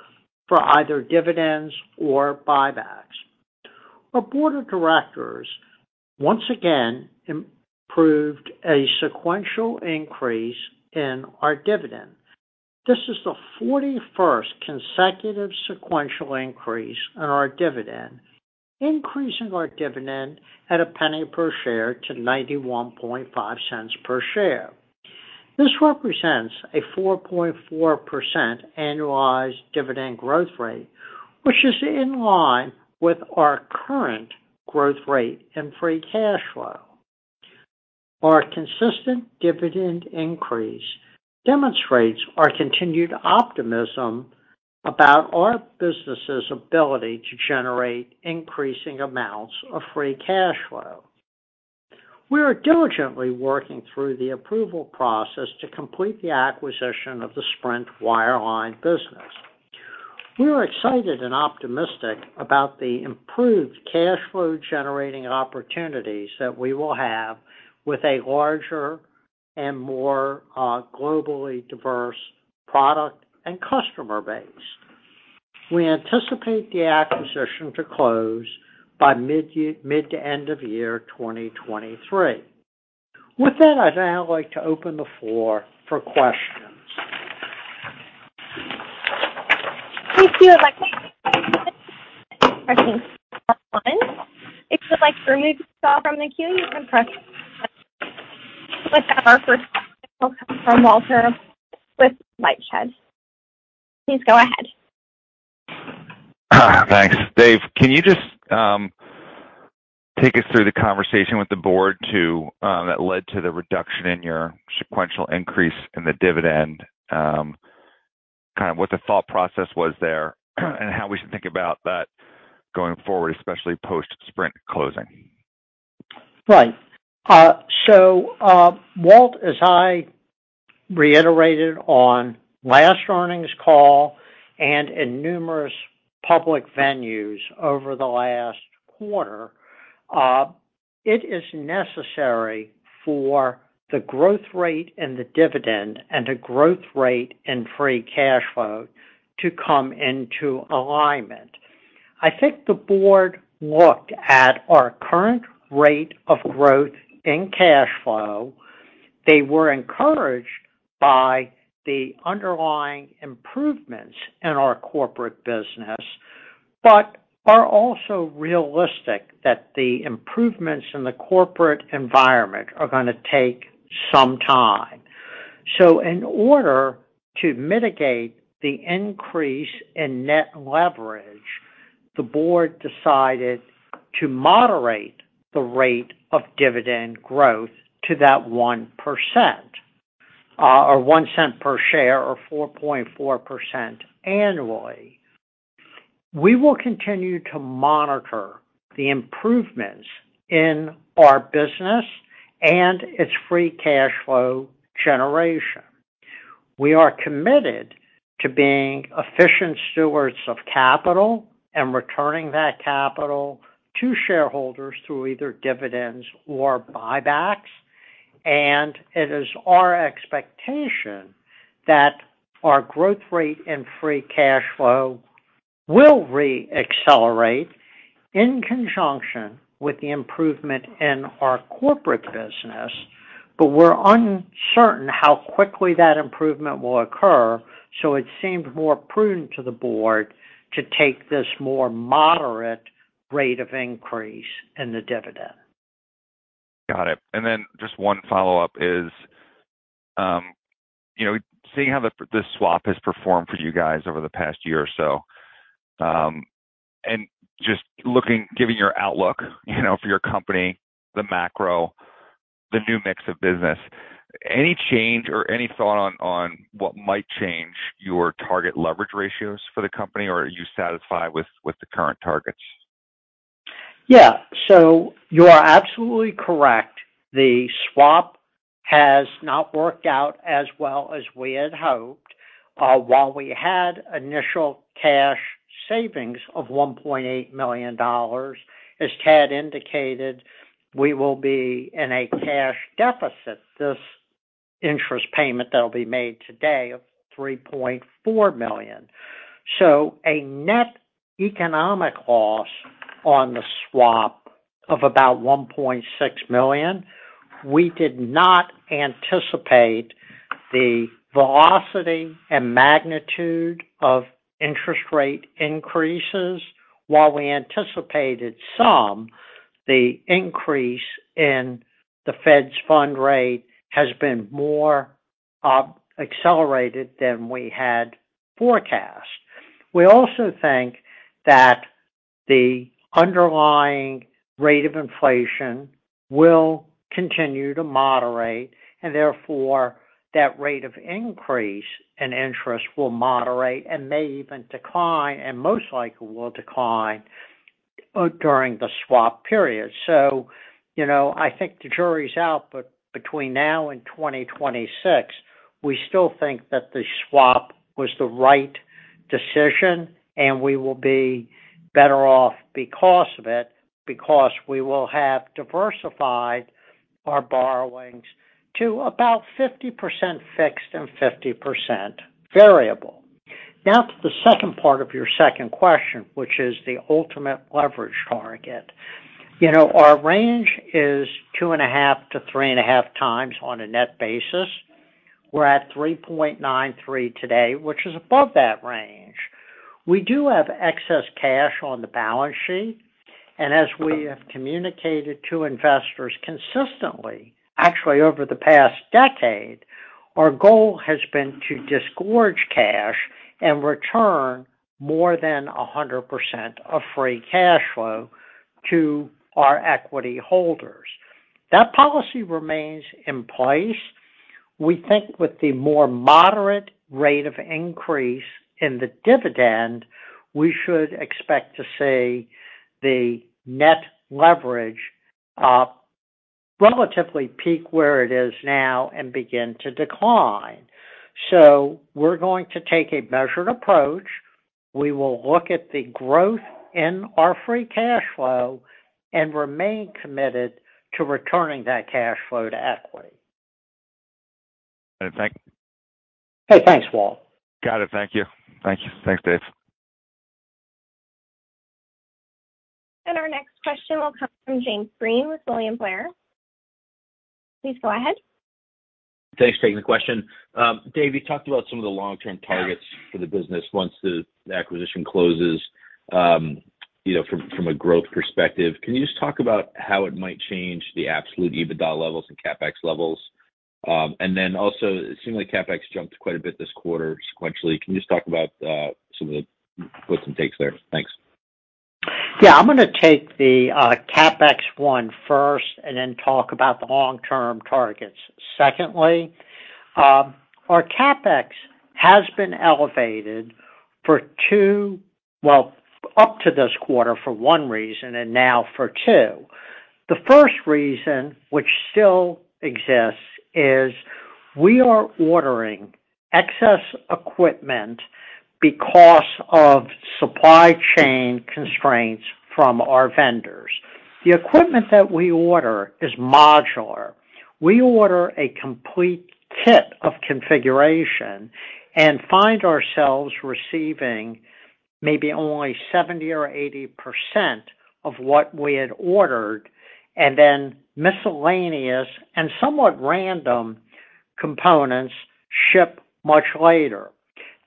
for either dividends or buybacks. Our board of directors once again approved a sequential increase in our dividend. This is the 41st consecutive sequential increase in our dividend, increasing our dividend by $0.01 per share to $0.915 per share. This represents a 4.4% annualized dividend growth rate, which is in line with our current growth rate in free cash flow. Our consistent dividend increase demonstrates our continued optimism about our business's ability to generate increasing amounts of free cash flow. We are diligently working through the approval process to complete the acquisition of the Sprint wireline business. We are excited and optimistic about the improved cash flow generating opportunities that we will have with a larger and more, globally diverse product and customer base. We anticipate the acquisition to close by mid- to end of 2023. With that, I'd now like to open the floor for questions. Thank you. With that, our first question will come from Walter with LightShed. Please go ahead. Thanks. Dave, can you just take us through the conversation with the board to that led to the reduction in your sequential increase in the dividend, kind of what the thought process was there and how we should think about that going forward, especially post-Sprint closing? Right. Walt, as I reiterated on last earnings call and in numerous public venues over the last quarter, it is necessary for the growth rate and the dividend and the growth rate in free cash flow to come into alignment. I think the board looked at our current rate of growth in cash flow. They were encouraged by the underlying improvements in our corporate business, but are also realistic that the improvements in the corporate environment are gonna take some time. In order to mitigate the increase in net leverage, the board decided to moderate the rate of dividend growth to that 1%, or $0.01 per share or 4.4% annually. We will continue to monitor the improvements in our business and its free cash flow generation. We are committed to being efficient stewards of capital and returning that capital to shareholders through either dividends or buybacks, and it is our expectation that our growth rate in free cash flow will re-accelerate in conjunction with the improvement in our corporate business, but we're uncertain how quickly that improvement will occur, so it seemed more prudent to the board to take this more moderate rate of increase in the dividend. Got it. Just one follow-up is, you know, seeing how the swap has performed for you guys over the past year or so, and just looking, giving your outlook, you know, for your company, the macro, the new mix of business, any change or any thought on what might change your target leverage ratios for the company, or are you satisfied with the current targets? Yeah. You are absolutely correct. The swap has not worked out as well as we had hoped. While we had initial cash savings of $1.8 million, as Tad indicated, we will be in a cash deficit this interest payment that will be made today of $3.4 million. A net economic loss on the swap of about $1.6 million. We did not anticipate the velocity and magnitude of interest rate increases. While we anticipated some, the increase in the Fed funds rate has been more, accelerated than we had forecast. We also think that the underlying rate of inflation will continue to moderate, and therefore that rate of increase in interest will moderate and may even decline, and most likely will decline, during the swap period. You know, I think the jury's out, but between now and 2026, we still think that the swap was the right decision and we will be better off because of it, because we will have diversified our borrowings to about 50% fixed and 50% variable. Now to the second part of your second question, which is the ultimate leverage target. You know, our range is 2.5x-3.5x on a net basis. We're at 3.93x today, which is above that range. We do have excess cash on the balance sheet, and as we have communicated to investors consistently, actually over the past decade, our goal has been to disgorge cash and return more than 100% of free cash flow to our equity holders. That policy remains in place. We think with the more moderate rate of increase in the dividend, we should expect to see the net leverage relatively peak where it is now and begin to decline. We're going to take a measured approach. We will look at the growth in our free cash flow and remain committed to returning that cash flow to equity. Thank you. Hey, thanks, Walt. Got it. Thank you. Thanks, Dave. Our next question will come from James Breen with William Blair. Please go ahead. Thanks. Taking the question. Dave, you talked about some of the long-term targets for the business once the acquisition closes, you know, from a growth perspective. Can you just talk about how it might change the absolute EBITDA levels and CapEx levels? It seemed like CapEx jumped quite a bit this quarter sequentially. Can you just talk about some of the gives and takes there? Thanks. Yeah. I'm gonna take the CapEx one first, and then talk about the long-term targets secondly. Our CapEx has been elevated up to this quarter for one reason, and now for two. The first reason, which still exists, is we are ordering excess equipment because of supply chain constraints from our vendors. The equipment that we order is modular. We order a complete kit of configuration and find ourselves receiving maybe only 70% or 80% of what we had ordered, and then miscellaneous and somewhat random components ship much later.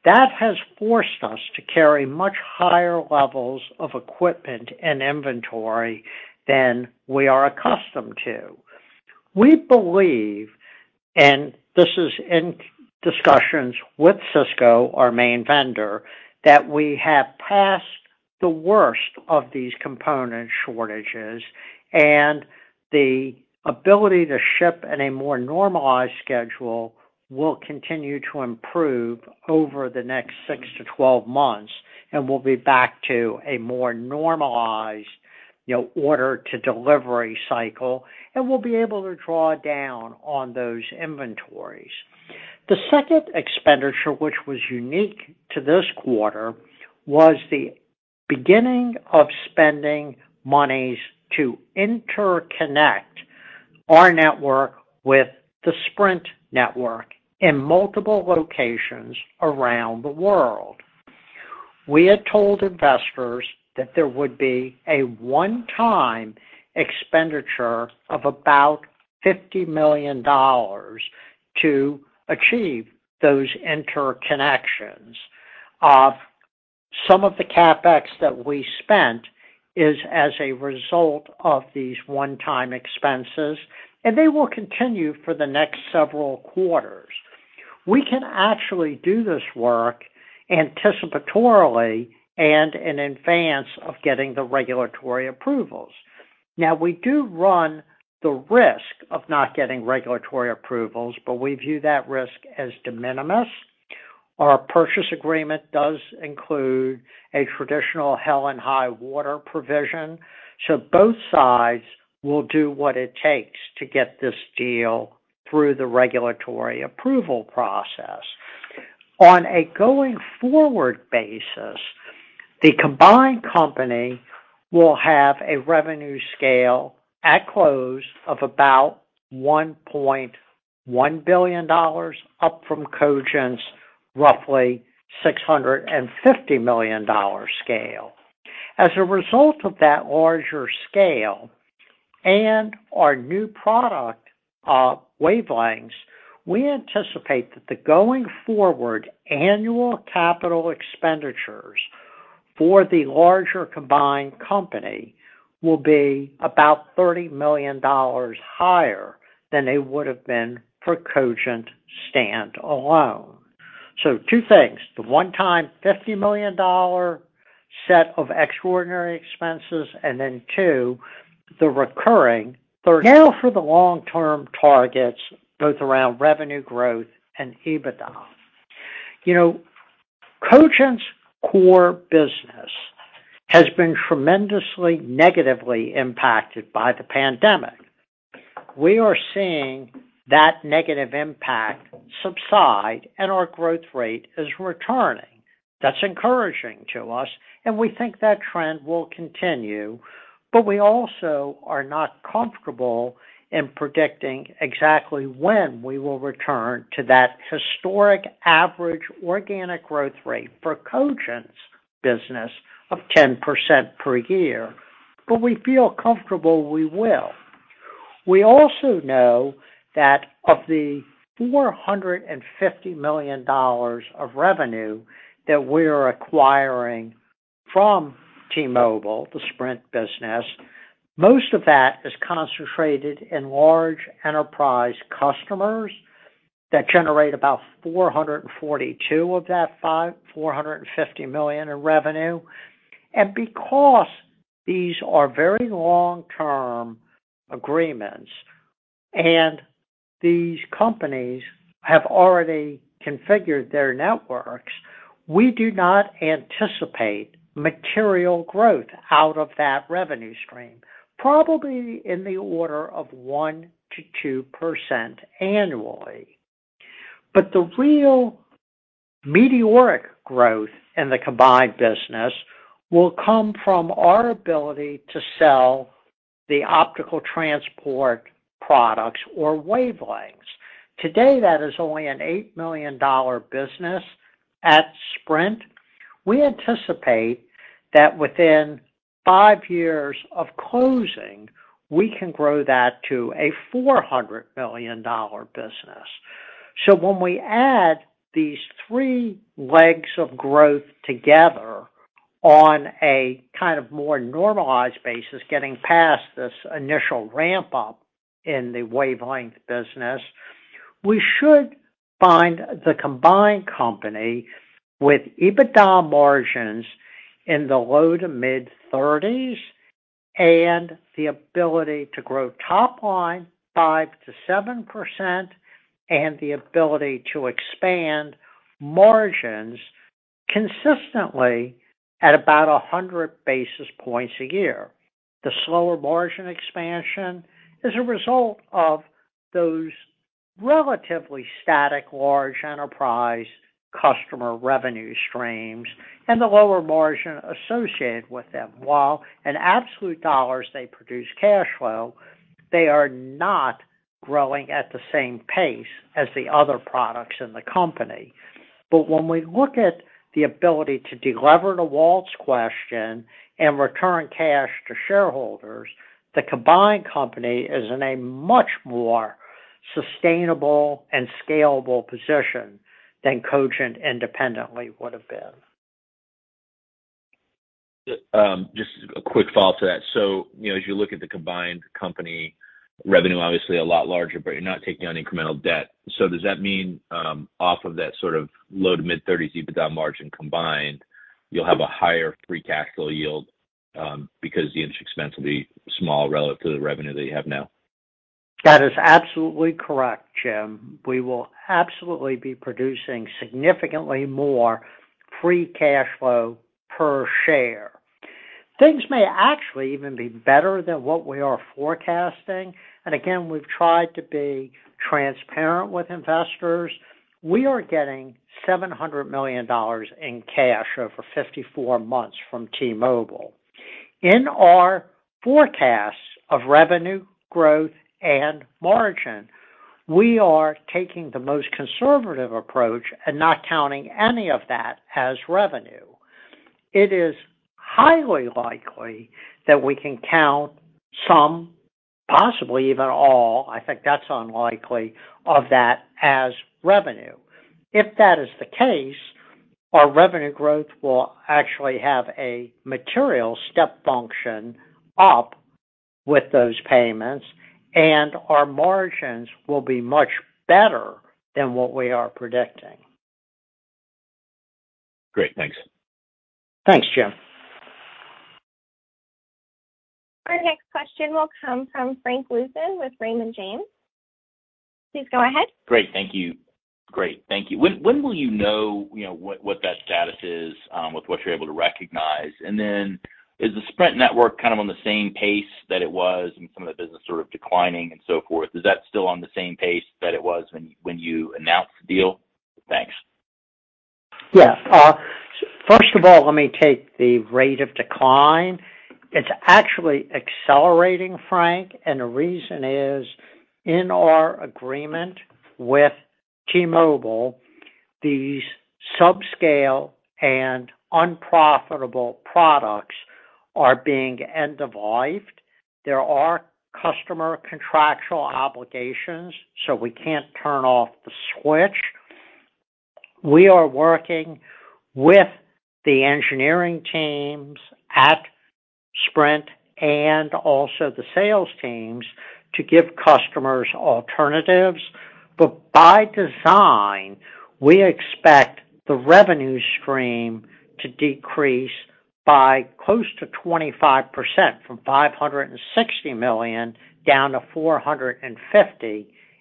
That has forced us to carry much higher levels of equipment and inventory than we are accustomed to. We believe, and this is in discussions with Cisco, our main vendor, that we have passed the worst of these component shortages, and the ability to ship in a more normalized schedule will continue to improve over the next six to 12 months, and we'll be back to a more normalized, you know, order to delivery cycle, and we'll be able to draw down on those inventories. The second expenditure, which was unique to this quarter, was the beginning of spending monies to interconnect our network with the Sprint network in multiple locations around the world. We had told investors that there would be a one-time expenditure of about $50 million to achieve those interconnections. Some of the CapEx that we spent is as a result of these one-time expenses, and they will continue for the next several quarters. We can actually do this work anticipatorily and in advance of getting the regulatory approvals. Now, we do run the risk of not getting regulatory approvals, but we view that risk as de minimis. Our purchase agreement does include a traditional hell and high water provision, so both sides will do what it takes to get this deal through the regulatory approval process. On a going forward basis, the combined company will have a revenue scale at close of about $1.1 billion, up from Cogent's roughly $650 million scale. As a result of that larger scale and our new product, wavelengths, we anticipate that the going forward annual capital expenditures for the larger combined company will be about $30 million higher than they would have been for Cogent stand alone. Two things. The one-time $50 million set of extraordinary expenses. Now for the long-term targets, both around revenue growth and EBITDA. You know, Cogent's core business has been tremendously negatively impacted by the pandemic. We are seeing that negative impact subside and our growth rate is returning. That's encouraging to us, and we think that trend will continue. We also are not comfortable in predicting exactly when we will return to that historic average organic growth rate for Cogent's business of 10% per year. We feel comfortable we will. We also know that of the $450 million of revenue that we are acquiring from T-Mobile, the Sprint business, most of that is concentrated in large enterprise customers that generate about $442 million of that $450 million in revenue. Because these are very long-term agreements, and these companies have already configured their networks, we do not anticipate material growth out of that revenue stream, probably in the order of 1%-2% annually. The real meteoric growth in the combined business will come from our ability to sell the optical transport products or wavelengths. Today, that is only an $8 million business at Sprint. We anticipate that within five years of closing, we can grow that to a $400 million business. When we add these three legs of growth together on a kind of more normalized basis, getting past this initial ramp up in the wavelength business, we should find the combined company with EBITDA margins in the low- to mid-30s and the ability to grow top line 5%-7%, and the ability to expand margins consistently at about 100 basis points a year. The slower margin expansion is a result of those relatively static large enterprise customer revenue streams and the lower margin associated with them. While in absolute dollars they produce cash flow, they are not growing at the same pace as the other products in the company. When we look at the ability to delever to Walt's question and return cash to shareholders, the combined company is in a much more sustainable and scalable position than Cogent independently would have been. Just a quick follow to that. You know, as you look at the combined company revenue, obviously a lot larger, but you're not taking on incremental debt. Does that mean, off of that sort of low- to mid-30s% EBITDA margin combined, you'll have a higher free cash flow yield, because the interest expense will be small relative to the revenue that you have now? That is absolutely correct, Jim. We will absolutely be producing significantly more free cash flow per share. Things may actually even be better than what we are forecasting. Again, we've tried to be transparent with investors. We are getting $700 million in cash over 54 months from T-Mobile. In our forecasts of revenue growth and margin, we are taking the most conservative approach and not counting any of that as revenue. It is highly likely that we can count some, possibly even all, I think that's unlikely, of that as revenue. If that is the case, our revenue growth will actually have a material step function up with those payments, and our margins will be much better than what we are predicting. Great. Thanks. Thanks, Jim. Our next question will come from Frank Louthan with Raymond James. Please go ahead. Great. Thank you. When will you know, you know, what that status is with what you're able to recognize? Is the Sprint network kind of on the same pace that it was and some of the business sort of declining and so forth? Is that still on the same pace that it was when you announced the deal? Thanks. First of all, let me take the rate of decline. It's actually accelerating, Frank, and the reason is, in our agreement with T-Mobile, these sub-scale and unprofitable products are being end-of-lifed. There are customer contractual obligations, so we can't turn off the switch. We are working with the engineering teams at Sprint and also the sales teams to give customers alternatives. But by design, we expect the revenue stream to decrease by close to 25% from $560 million down to $450 million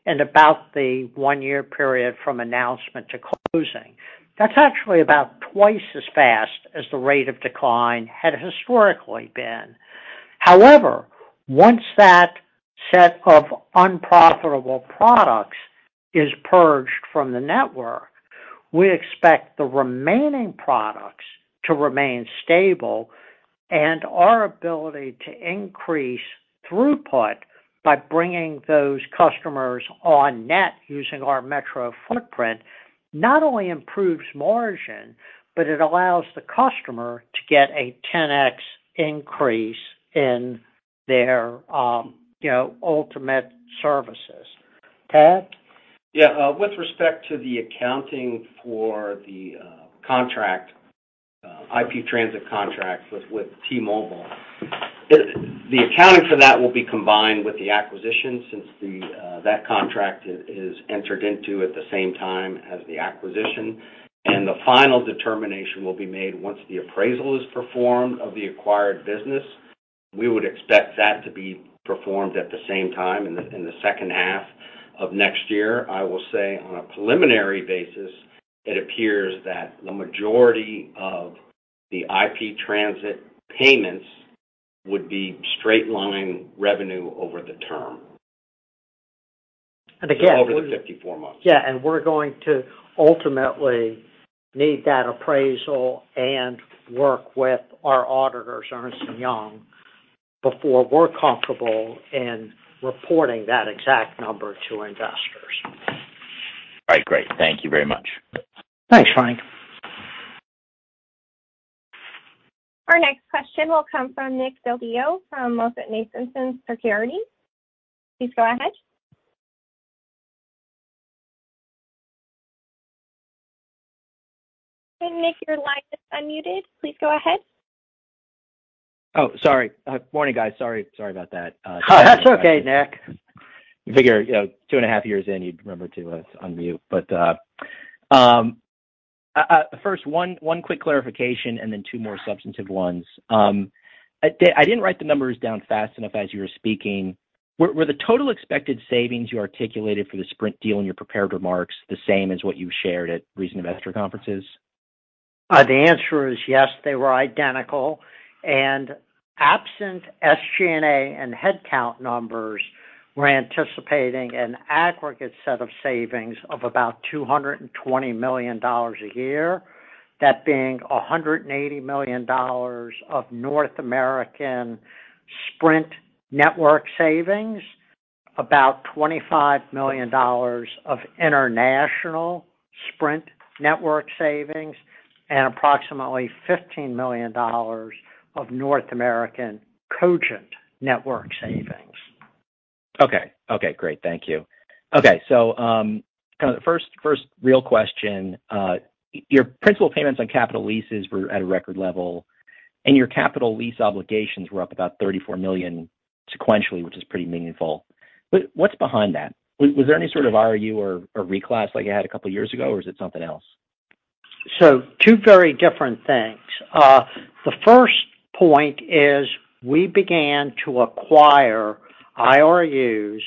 in about the one-year period from announcement to closing. That's actually about twice as fast as the rate of decline had historically been. However, once that set of unprofitable products is purged from the network, we expect the remaining products to remain stable, and our ability to increase throughput by bringing those customers on-net using our metro footprint not only improves margin, but it allows the customer to get a 10x increase in their, you know, ultimate services. Tad? Yeah. With respect to the accounting for the contract, IP transit contract with T-Mobile, the accounting for that will be combined with the acquisition since that contract is entered into at the same time as the acquisition. The final determination will be made once the appraisal is performed of the acquired business. We would expect that to be performed at the same time in the second half of next year. I will say on a preliminary basis, it appears that the majority of the IP transit payments would be straight line revenue over the term. Again. Over the 54 months. Yeah, we're going to ultimately need that appraisal and work with our auditors, Ernst & Young, before we're comfortable in reporting that exact number to investors. All right. Great. Thank you very much. Thanks, Frank. Our next question will come from Nick Del Deo from MoffettNathanson LLC. Please go ahead. Nick, your line is unmuted. Please go ahead. Oh, sorry. Morning, guys. Sorry about that. Oh, that's okay, Nick. You figure, you know, 2.5 years in, you'd remember to unmute, but first, one quick clarification and then two more substantive ones. I didn't write the numbers down fast enough as you were speaking. Were the total expected savings you articulated for the Sprint deal in your prepared remarks the same as what you shared at recent investor conferences? The answer is yes, they were identical. Absent SG&A and headcount numbers, we're anticipating an aggregate set of savings of about $220 million a year. That being $180 million of North American Sprint network savings, about $25 million of international Sprint network savings, and approximately $15 million of North American Cogent network savings. Okay. Great. Thank you. Kind of the first real question, your principal payments on capital leases were at a record level, and your capital lease obligations were up about $34 million sequentially, which is pretty meaningful. What's behind that? Was there any sort of IRU or reclass like you had a couple years ago, or is it something else? Two very different things. The first point is we began to acquire IRUs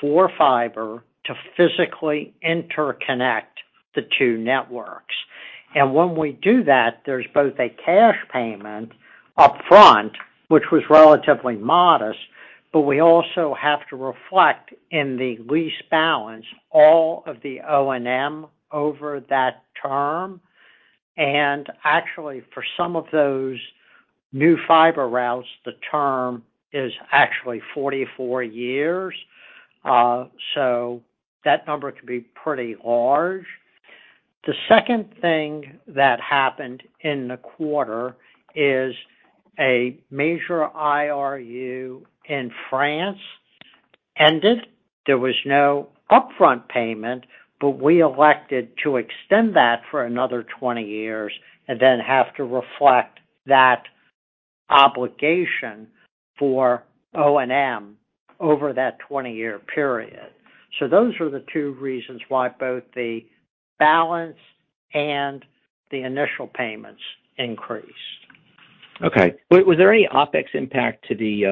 for fiber to physically interconnect the two networks. When we do that, there's both a cash payment upfront, which was relatively modest, but we also have to reflect in the lease balance all of the O&M over that term. Actually, for some of those new fiber routes, the term is actually 44 years, so that number can be pretty large. The second thing that happened in the quarter is a major IRU in France ended. There was no upfront payment, but we elected to extend that for another 20 years and then have to reflect that obligation for O&M over that 20-year period. Those are the two reasons why both the balance and the initial payments increased. Okay. Wait, was there any OpEx impact to the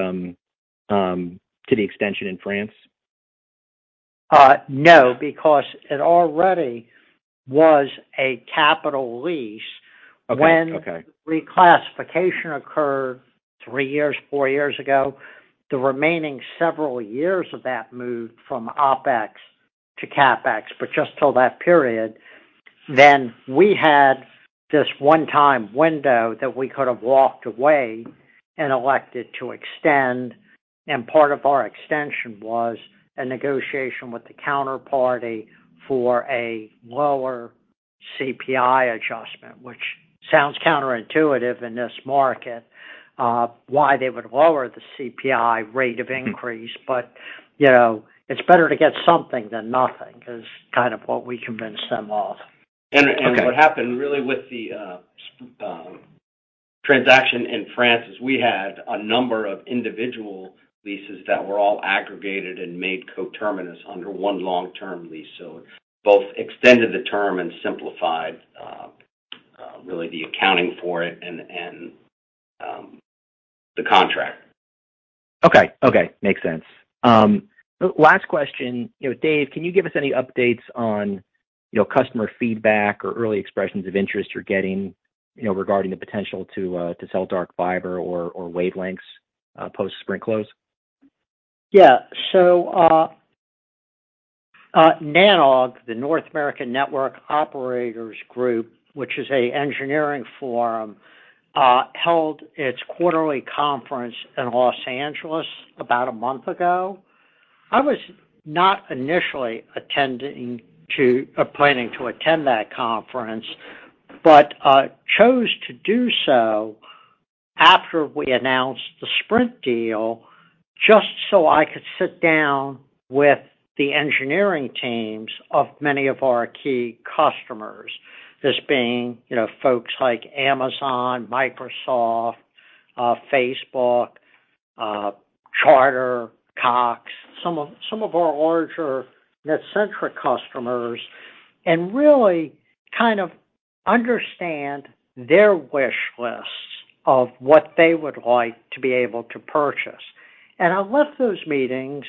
extension in France? No, because it already was a capital lease. Okay. When the reclassification occurred three years, four years ago. The remaining several years of that moved from OpEx to CapEx, but just till that period, then we had this one-time window that we could have walked away and elected to extend, and part of our extension was a negotiation with the counterparty for a lower CPI adjustment, which sounds counterintuitive in this market, why they would lower the CPI rate of increase. You know, it's better to get something than nothing is kind of what we convinced them of. What happened really with the transaction in France is we had a number of individual leases that were all aggregated and made coterminous under one long-term lease. Both extended the term and simplified really the accounting for it and the contract. Okay. Makes sense. Last question. You know, Dave, can you give us any updates on, you know, customer feedback or early expressions of interest you're getting, you know, regarding the potential to to sell dark fiber or wavelengths post Sprint close? Yeah. So, NANOG, the North American Network Operators' Group, which is an engineering forum, held its quarterly conference in Los Angeles about a month ago. I was not initially planning to attend that conference, but chose to do so after we announced the Sprint deal, just so I could sit down with the engineering teams of many of our key customers, this being, you know, folks like Amazon, Microsoft, Facebook, Charter, Cox, some of our larger NetCentric customers, and really kind of understand their wish lists of what they would like to be able to purchase. I left those meetings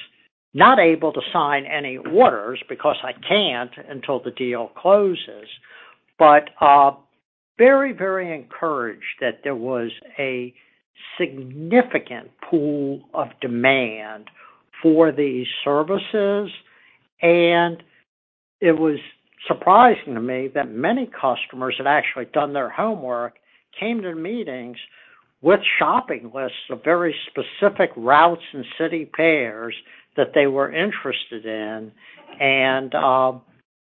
not able to sign any orders because I can't until the deal closes, but very, very encouraged that there was a significant pool of demand for these services. It was surprising to me that many customers had actually done their homework, came to meetings with shopping lists of very specific routes and city pairs that they were interested in.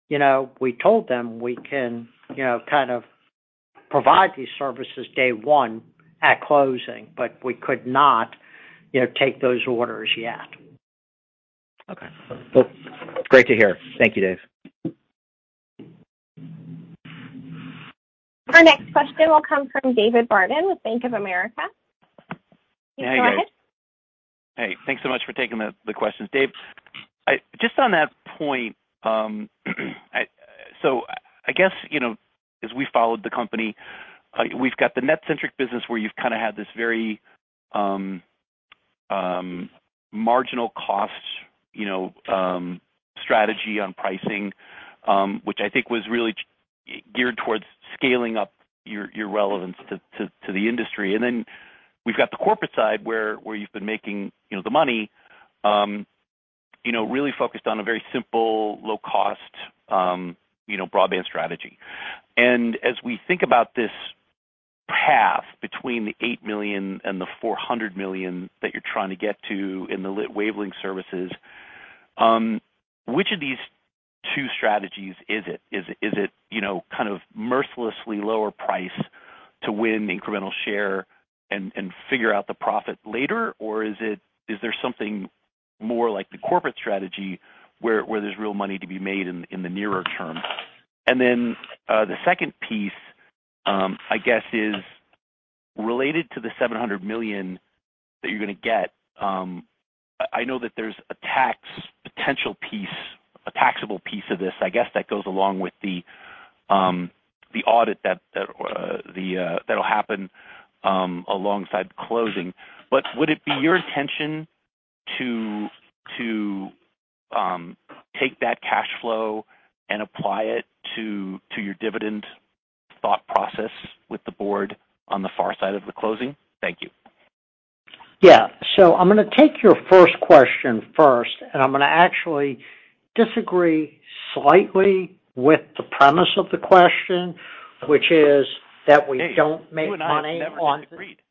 You know, we told them we can, you know, kind of provide these services day one at closing, but we could not, you know, take those orders yet. Okay. Well, great to hear. Thank you, Dave. Our next question will come from David Barden with Bank of America. You can go ahead. Hey, thanks so much for taking the questions. Dave, just on that point. I guess, you know, as we followed the company, we've got the NetCentric business where you've kinda had this very marginal cost, you know, strategy on pricing, which I think was really geared towards scaling up your relevance to the industry. We've got the corporate side where you've been making, you know, the money, really focused on a very simple, low-cost, you know, broadband strategy. As we think about this path between the $8 million and the $400 million that you're trying to get to in the lit wavelength services, which of these two strategies is it? Is it, you know, kind of mercilessly lower price to win incremental share and figure out the profit later? Or is it? Is there something more like the corporate strategy where there's real money to be made in the nearer term? Then, the second piece, I guess is related to the $700 million that you're gonna get. I know that there's a tax potential piece, a taxable piece of this, I guess, that goes along with the audit that'll happen alongside the closing. Would it be your intention to take that cash flow and apply it to your dividend thought process with the board on the far side of the closing? Thank you. Yeah. I'm gonna take your first question first, and I'm gonna actually disagree slightly with the premise of the question, which is that we don't make money on- You and I have never agreed.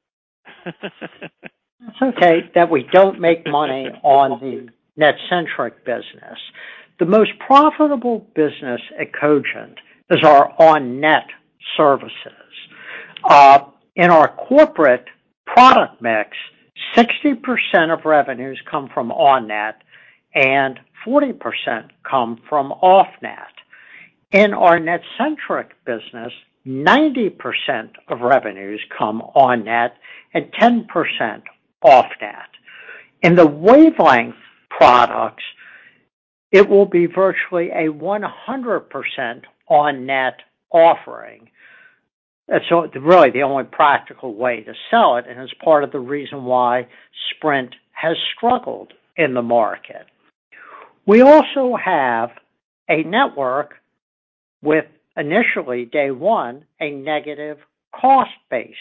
It's okay that we don't make money on the NetCentric business. The most profitable business at Cogent is our on-net services. In our corporate product mix, 60% of revenues come from on-net, and 40% come from off-net. In our NetCentric business, 90% of revenues come on-net and 10% off-net. In the wavelength products, it will be virtually a 100% on-net offering. That's really the only practical way to sell it, and it's part of the reason why Sprint has struggled in the market. We also have a network with initially day one, a negative cost basis.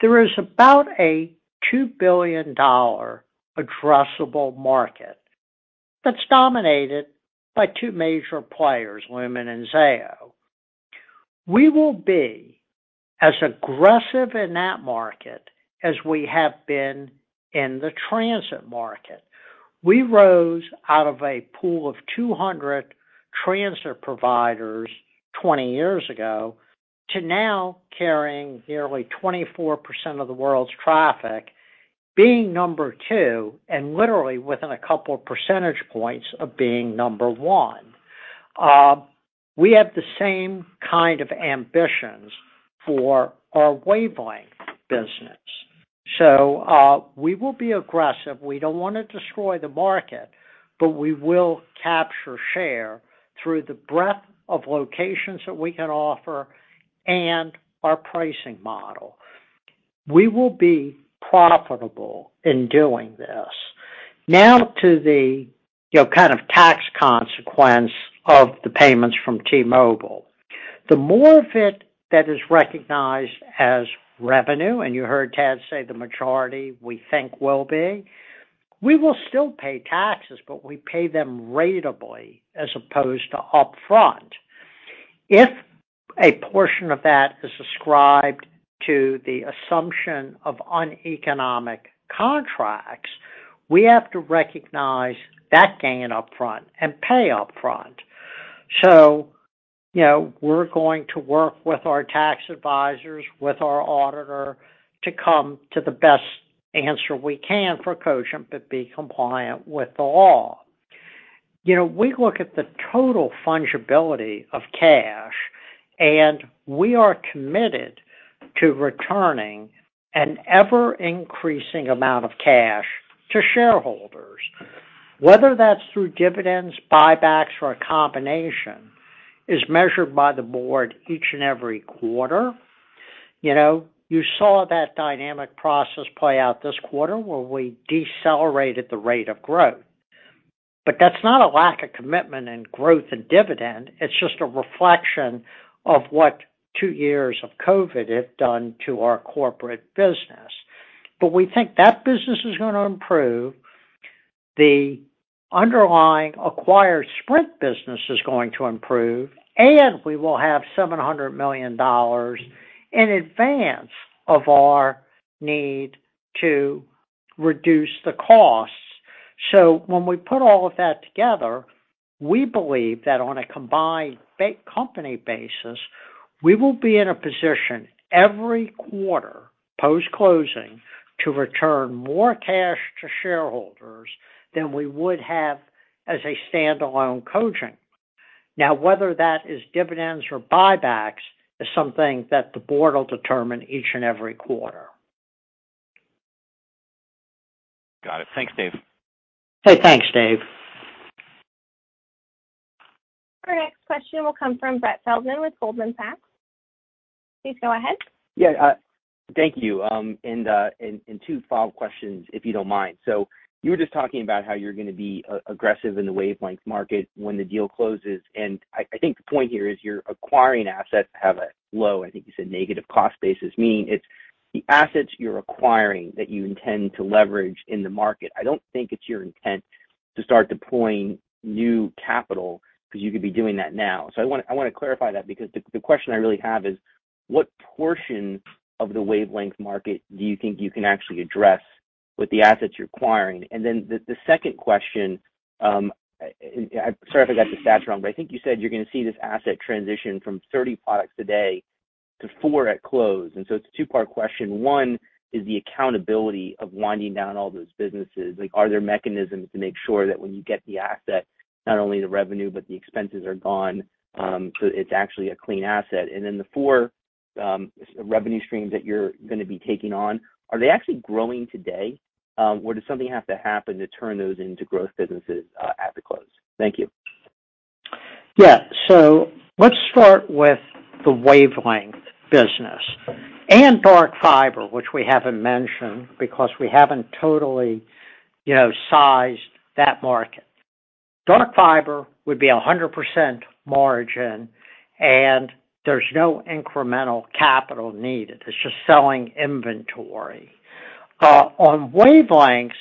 There is about a $2 billion addressable market that's dominated by two major players, Lumen and Zayo. We will be as aggressive in that market as we have been in the transit market. We rose out of a pool of 200 transit providers 20 years ago to now carrying nearly 24% of the world's traffic, being number two and literally within a couple of percentage points of being number one. We have the same kind of ambitions for our wavelength business, so, we will be aggressive. We don't wanna destroy the market, but we will capture share through the breadth of locations that we can offer and our pricing model. We will be profitable in doing this. Now to the, you know, kind of tax consequence of the payments from T-Mobile. The more of it that is recognized as revenue, and you heard Tad say the majority we think will be, we will still pay taxes, but we pay them ratably as opposed to upfront. If a portion of that is ascribed to the assumption of uneconomic contracts, we have to recognize that gain upfront and pay upfront. You know, we're going to work with our tax advisors, with our auditor to come to the best answer we can for Cogent, but be compliant with the law. You know, we look at the total fungibility of cash, and we are committed to returning an ever-increasing amount of cash to shareholders. Whether that's through dividends, buybacks or a combination, is measured by the board each and every quarter. You know, you saw that dynamic process play out this quarter, where we decelerated the rate of growth. That's not a lack of commitment in growth and dividend, it's just a reflection of what two years of COVID have done to our corporate business. We think that business is gonna improve. The underlying acquired Sprint business is going to improve, and we will have $700 million in advance of our need to reduce the costs. When we put all of that together, we believe that on a combined company basis, we will be in a position every quarter, post-closing, to return more cash to shareholders than we would have as a standalone Cogent. Now, whether that is dividends or buybacks is something that the board will determine each and every quarter. Got it. Thanks, Dave. Hey, thanks, Dave. Our next question will come from Brett Feldman with Goldman Sachs. Please go ahead. Yeah, thank you. Two follow-up questions, if you don't mind. You were just talking about how you're gonna be aggressive in the wavelength market when the deal closes. I think the point here is you're acquiring assets that have a low, I think you said negative cost basis mean. It's the assets you're acquiring that you intend to leverage in the market. I don't think it's your intent to start deploying new capital 'cause you could be doing that now. I wanna clarify that because the question I really have is. What portion of the wavelength market do you think you can actually address with the assets you're acquiring? The second question, sorry if I got the stats wrong, but I think you said you're gonna see this asset transition from 30 products today to four at close. It's a two-part question. One, is the accountability of winding down all those businesses. Like, are there mechanisms to make sure that when you get the asset, not only the revenue, but the expenses are gone, so it's actually a clean asset? The four revenue streams that you're gonna be taking on, are they actually growing today, or does something have to happen to turn those into growth businesses at the close? Thank you. Yeah. Let's start with the wavelength business and dark fiber, which we haven't mentioned because we haven't totally, you know, sized that market. Dark fiber would be 100% margin, and there's no incremental capital needed. It's just selling inventory. On wavelengths,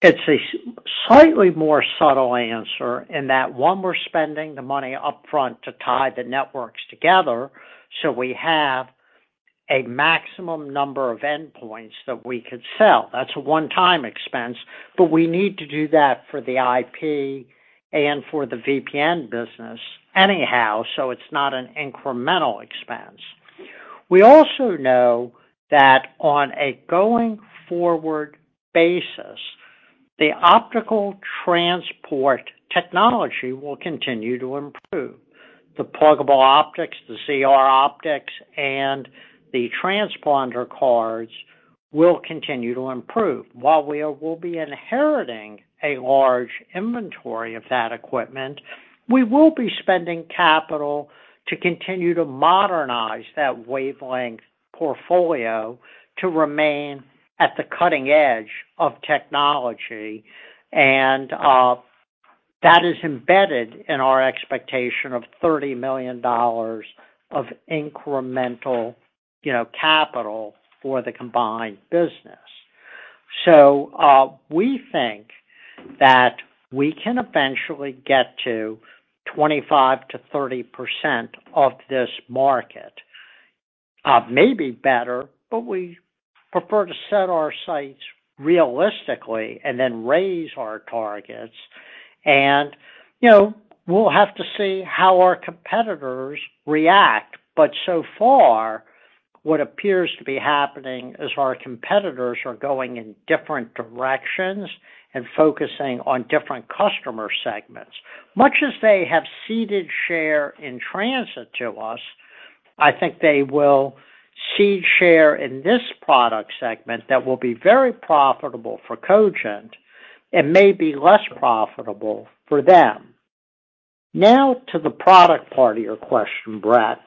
it's a slightly more subtle answer in that, one, we're spending the money upfront to tie the networks together, so we have a maximum number of endpoints that we could sell. That's a one-time expense, but we need to do that for the IP and for the VPN business anyhow, so it's not an incremental expense. We also know that on a going forward basis, the optical transport technology will continue to improve. The pluggable optics, the coherent optics and the transponder cards will continue to improve. While we will be inheriting a large inventory of that equipment, we will be spending capital to continue to modernize that wavelength portfolio to remain at the cutting edge of technology and that is embedded in our expectation of $30 million of incremental, you know, capital for the combined business. We think that we can eventually get to 25%-30% of this market. Maybe better, but we prefer to set our sights realistically and then raise our targets. You know, we'll have to see how our competitors react. So far, what appears to be happening is our competitors are going in different directions and focusing on different customer segments. Much as they have ceded share in transit to us, I think they will cede share in this product segment that will be very profitable for Cogent and may be less profitable for them. Now to the product part of your question, Brett.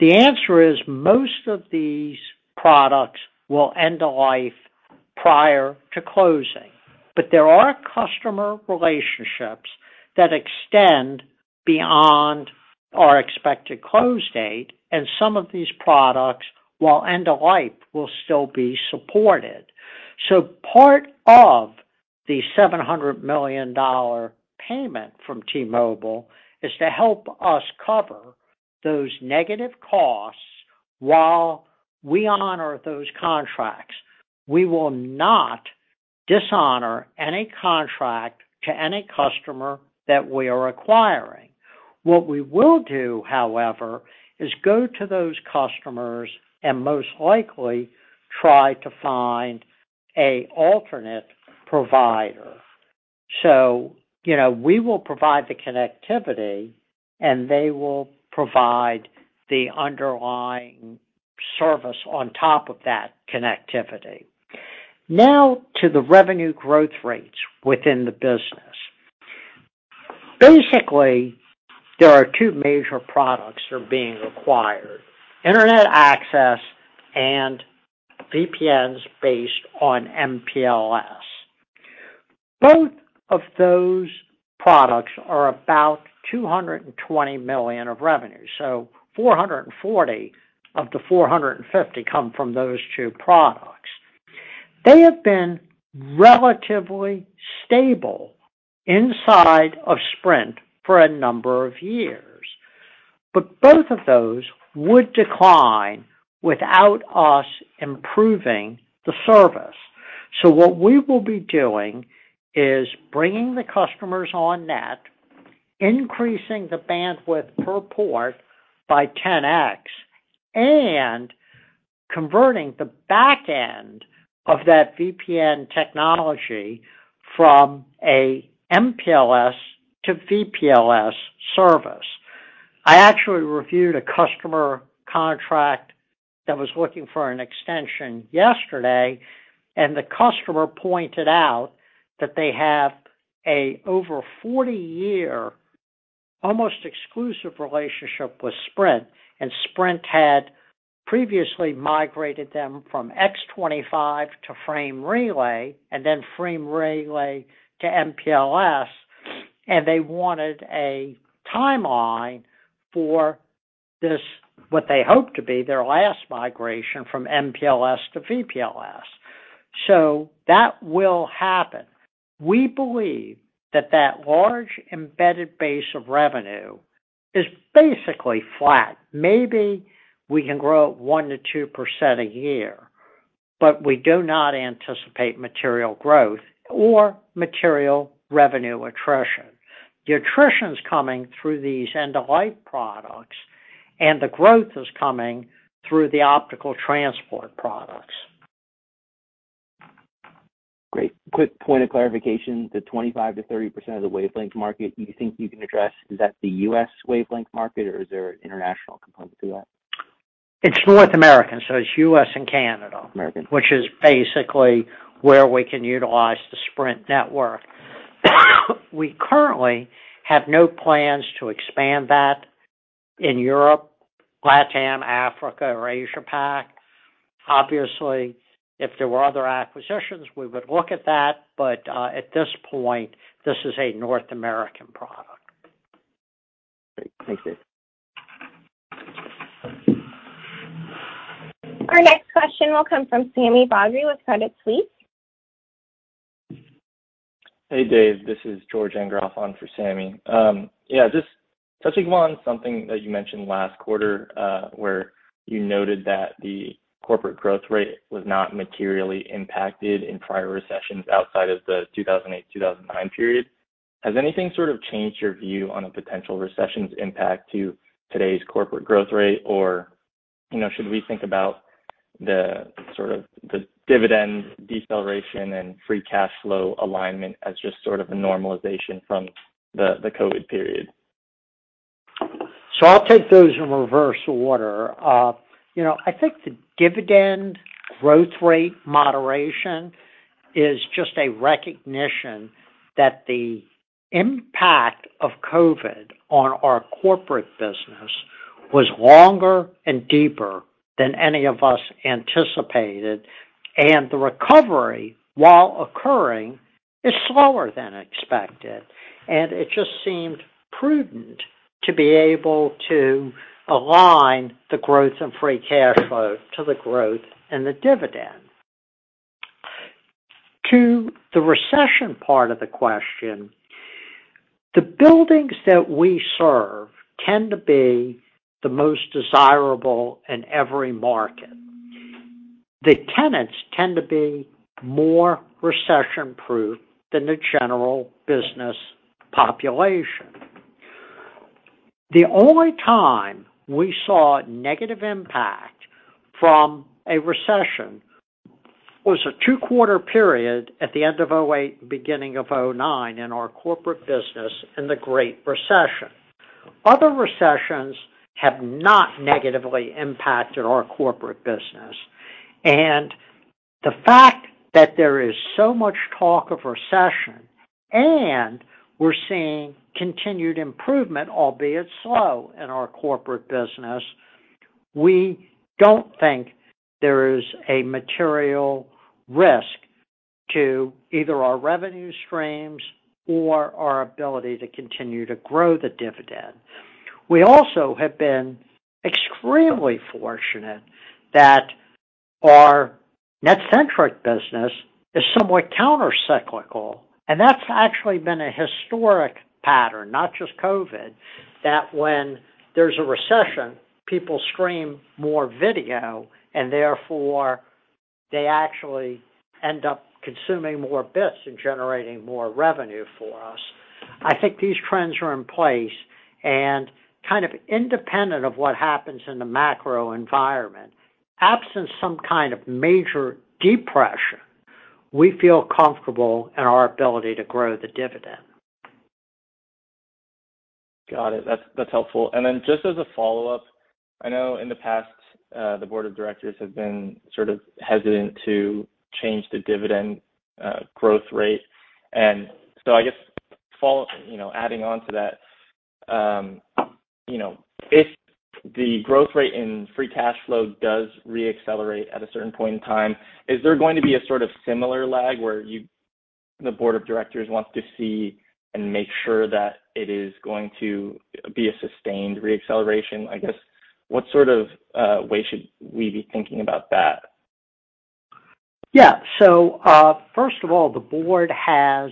The answer is most of these products will end of life prior to closing, but there are customer relationships that extend beyond our expected close date, and some of these products, while end of life, will still be supported. Part of the $700 million payment from T-Mobile is to help us cover those negative costs while we honor those contracts. We will not dishonor any contract to any customer that we are acquiring. What we will do, however, is go to those customers and most likely try to find a alternate provider. You know, we will provide the connectivity, and they will provide the underlying service on top of that connectivity. Now to the revenue growth rates within the business. Basically, there are two major products that are being acquired, Internet access and VPNs based on MPLS. Both of those products are about $220 million of revenue, so $440 million of the $450 million come from those two products. They have been relatively stable inside of Sprint for a number of years, but both of those would decline without us improving the service. What we will be doing is bringing the customers on-net, increasing the bandwidth per port by 10x, and converting the back end of that VPN technology from a MPLS to VPLS service. I actually reviewed a customer contract that was looking for an extension yesterday, and the customer pointed out that they have an over 40-year almost exclusive relationship with Sprint, and Sprint had previously migrated them from X.25 to Frame Relay, and then Frame Relay to MPLS, and they wanted a timeline for this, what they hope to be their last migration from MPLS to VPLS. That will happen. We believe that that large embedded base of revenue is basically flat. Maybe we can grow 1%-2% a year, but we do not anticipate material growth or material revenue attrition. The attrition is coming through these end of life products, and the growth is coming through the optical transport products. Great. Quick point of clarification, the 25%-30% of the wavelength market you think you can address, is that the U.S. wavelength market or is there an international component to that? It's North American, so it's U.S. and Canada. North American. Which is basically where we can utilize the Sprint network. We currently have no plans to expand that in Europe, LatAm, Africa, or Asia Pac. Obviously, if there were other acquisitions, we would look at that, but at this point, this is a North American product. Great. Thanks, Dave. Our next question will come from Sami Badri with Credit Suisse. Hey, Dave. This is George Engroff on for Sami. Yeah, just touching on something that you mentioned last quarter, where you noted that the corporate growth rate was not materially impacted in prior recessions outside of the 2008-2009 period. Has anything sort of changed your view on a potential recession's impact to today's corporate growth rate? Or, you know, should we think about the sort of the dividend deceleration and free cash flow alignment as just sort of a normalization from the COVID period? I'll take those in reverse order. You know, I think the dividend growth rate moderation is just a recognition that the impact of COVID on our corporate business was longer and deeper than any of us anticipated, and the recovery, while occurring, is slower than expected. It just seemed prudent to be able to align the growth in free cash flow to the growth and the dividend. To the recession part of the question, the buildings that we serve tend to be the most desirable in every market. The tenants tend to be more recession-proof than the general business population. The only time we saw negative impact from a recession was a two-quarter period at the end of 2008, beginning of 2009 in our corporate business in the Great Recession. Other recessions have not negatively impacted our corporate business. The fact that there is so much talk of recession, and we're seeing continued improvement, albeit slow, in our corporate business, we don't think there is a material risk to either our revenue streams or our ability to continue to grow the dividend. We also have been extremely fortunate that our NetCentric business is somewhat countercyclical, and that's actually been a historic pattern, not just COVID, that when there's a recession, people stream more video, and therefore they actually end up consuming more bits and generating more revenue for us. I think these trends are in place and kind of independent of what happens in the macro environment. Absent some kind of major depression, we feel comfortable in our ability to grow the dividend. Got it. That's helpful. Then just as a follow-up, I know in the past, the board of directors have been sort of hesitant to change the dividend growth rate. You know, adding on to that, you know, if the growth rate in free cash flow does re-accelerate at a certain point in time, is there going to be a sort of similar lag where you, the board of directors wants to see and make sure that it is going to be a sustained re-acceleration? I guess what sort of way should we be thinking about that? Yeah. First of all, the board has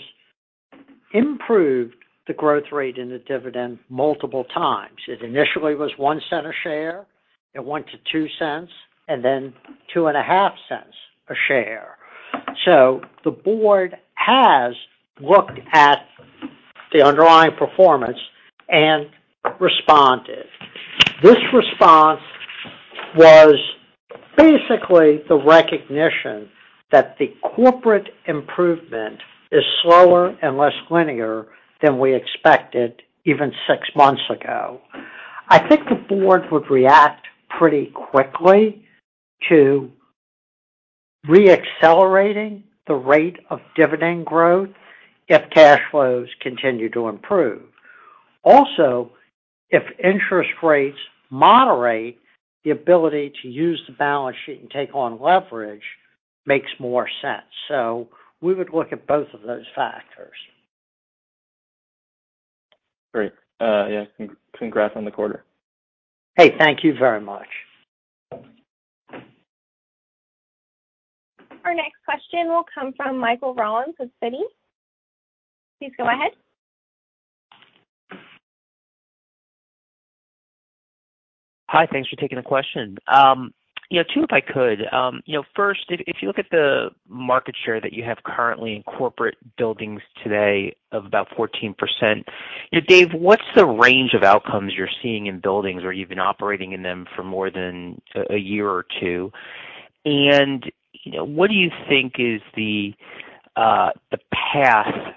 improved the growth rate in the dividend multiple times. It initially was $0.01 a share, it went to $0.02, and then $0.025 a share. The board has looked at the underlying performance and responded. This response was basically the recognition that the corporate improvement is slower and less linear than we expected even six months ago. I think the board would react pretty quickly to re-accelerating the rate of dividend growth if cash flows continue to improve. Also, if interest rates moderate, the ability to use the balance sheet and take on leverage makes more sense. We would look at both of those factors. Great. Yeah, congrats on the quarter. Hey, thank you very much. Our next question will come from Michael Rollins with Citi. Please go ahead. Hi, thanks for taking the question. You know, two, if I could. You know, first, if you look at the market share that you have currently in corporate buildings today of about 14%, you know, Dave, what's the range of outcomes you're seeing in buildings where you've been operating in them for more than a year or two? You know, what do you think is the path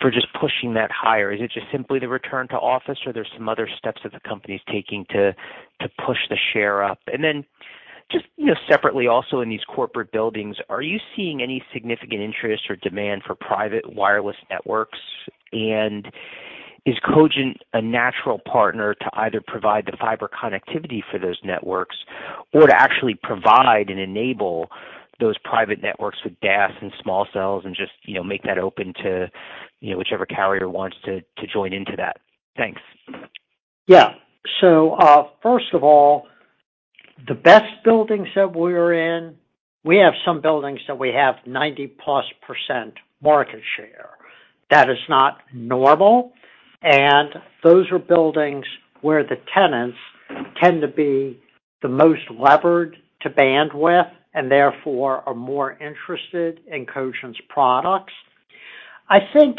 for just pushing that higher? Is it just simply the return to office, or there's some other steps that the company's taking to push the share up? Then just, you know, separately also in these corporate buildings, are you seeing any significant interest or demand for private wireless networks? Is Cogent a natural partner to either provide the fiber connectivity for those networks or to actually provide and enable those private networks with DAS and small cells and just, you know, make that open to, you know, whichever carrier wants to join into that? Thanks. Yeah. First of all, the best buildings that we're in, we have some buildings that we have 90%+ market share. That is not normal, and those are buildings where the tenants tend to be the most levered to bandwidth, and therefore are more interested in Cogent's products. I think,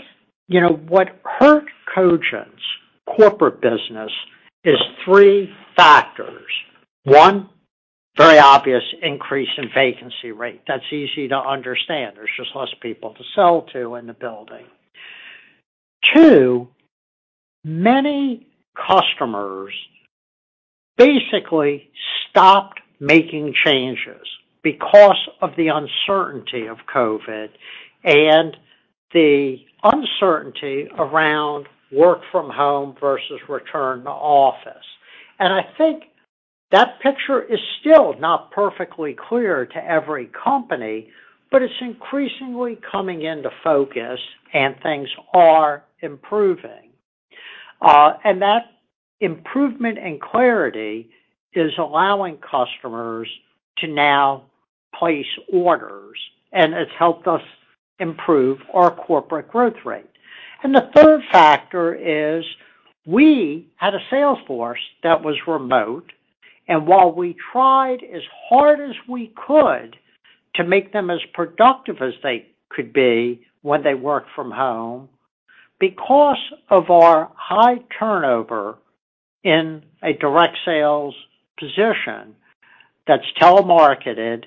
you know, what hurt Cogent's corporate business is three factors. One, very obvious increase in vacancy rate. That's easy to understand. There's just less people to sell to in the building. Two, many customers basically stopped making changes because of the uncertainty of COVID and the uncertainty around work from home versus return to office. I think that picture is still not perfectly clear to every company, but it's increasingly coming into focus and things are improving. That improvement and clarity is allowing customers to now place orders, and it's helped us improve our corporate growth rate. The third factor is we had a sales force that was remote. While we tried as hard as we could to make them as productive as they could be when they work from home, because of our high turnover in a direct sales position that's telemarketed,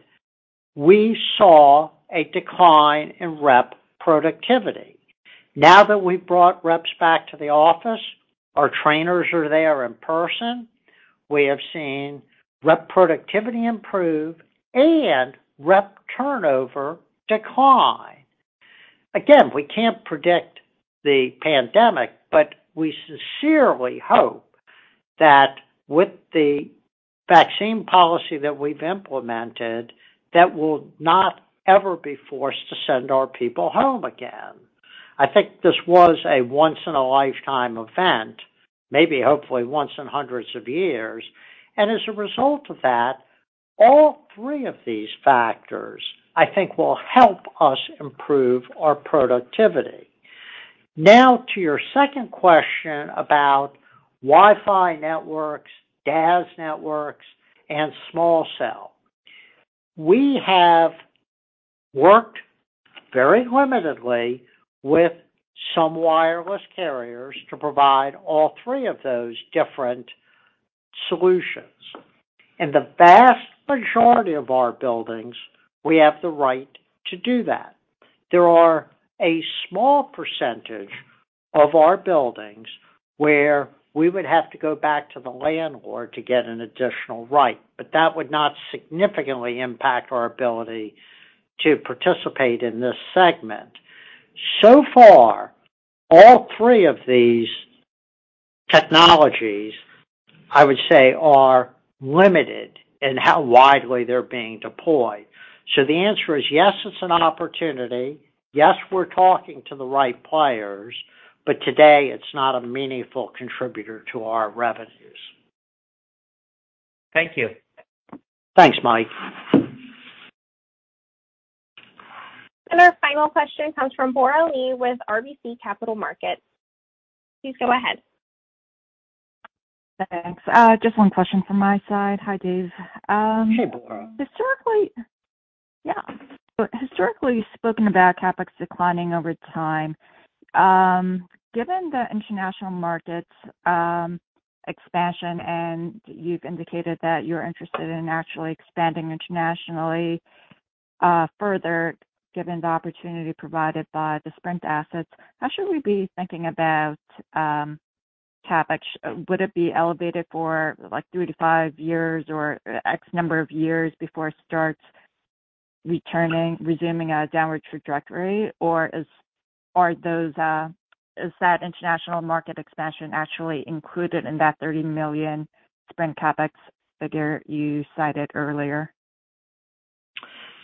we saw a decline in rep productivity. Now that we've brought reps back to the office, our trainers are there in person, we have seen rep productivity improve and rep turnover decline. Again, we can't predict the pandemic, but we sincerely hope that with the vaccine policy that we've implemented, that we'll not ever be forced to send our people home again. I think this was a once in a lifetime event, maybe hopefully once in hundreds of years. As a result of that, all three of these factors, I think, will help us improve our productivity. Now to your second question about Wi-Fi networks, DAS networks, and small cell. We have worked very limitedly with some wireless carriers to provide all three of those different solutions. In the vast majority of our buildings, we have the right to do that. There are a small percentage of our buildings where we would have to go back to the landlord to get an additional right, but that would not significantly impact our ability to participate in this segment. So far, all three of these technologies, I would say, are limited in how widely they're being deployed. The answer is yes, it's an opportunity. Yes, we're talking to the right players. Today, it's not a meaningful contributor to our revenues. Thank you. Thanks, Mike. Our final question comes from Bora Lee with RBC Capital Markets. Please go ahead. Thanks. Just one question from my side. Hi, Dave. Hey, Bora. Historically, you've spoken about CapEx declining over time. Given the international markets expansion, and you've indicated that you're interested in actually expanding internationally further given the opportunity provided by the Sprint assets, how should we be thinking about CapEx? Would it be elevated for like three to five years or X number of years before it starts resuming a downward trajectory? Or is that international market expansion actually included in that $30 million Sprint CapEx figure you cited earlier?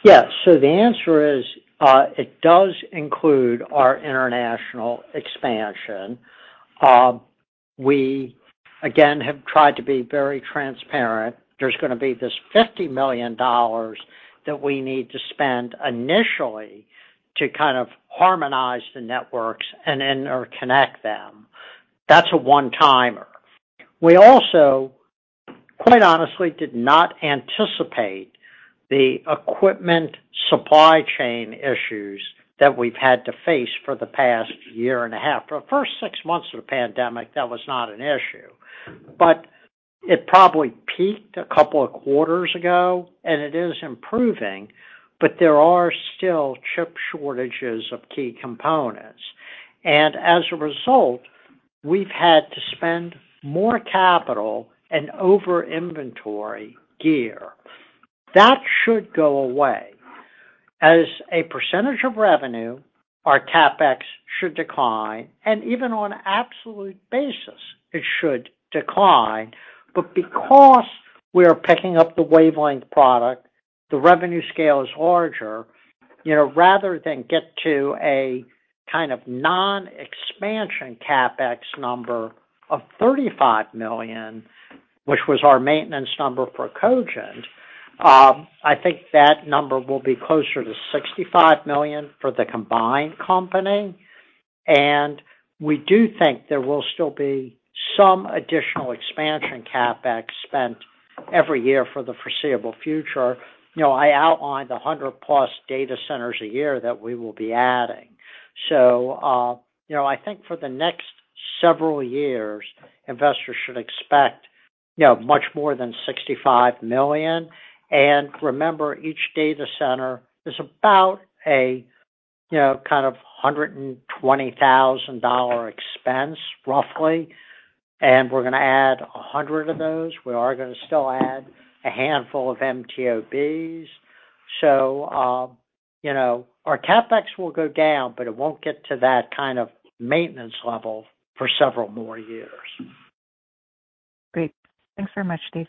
Yes. The answer is, it does include our international expansion. We, again, have tried to be very transparent. There's gonna be this $50 million that we need to spend initially to kind of harmonize the networks and connect them. That's a one-timer. We also, quite honestly, did not anticipate the equipment supply chain issues that we've had to face for the past year and a half. For the first six months of the pandemic, that was not an issue. It probably peaked a couple of quarters ago, and it is improving, but there are still chip shortages of key components. As a result, we've had to spend more capital and over-inventory gear. That should go away. As a percentage of revenue, our CapEx should decline, and even on absolute basis, it should decline. Because we are picking up the Wavelength product, the revenue scale is larger. You know, rather than get to a kind of non-expansion CapEx number of $35 million, which was our maintenance number for Cogent, I think that number will be closer to $65 million for the combined company. We do think there will still be some additional expansion CapEx spent every year for the foreseeable future. You know, I outlined 100 plus data centers a year that we will be adding. You know, I think for the next several years, investors should expect, you know, much more than $65 million. Remember, each data center is about a, you know, kind of $120,000 expense, roughly. We're gonna add 100 of those. We are gonna still add a handful of MTOBs. You know, our CapEx will go down, but it won't get to that kind of maintenance level for several more years. Great. Thanks very much, Dave.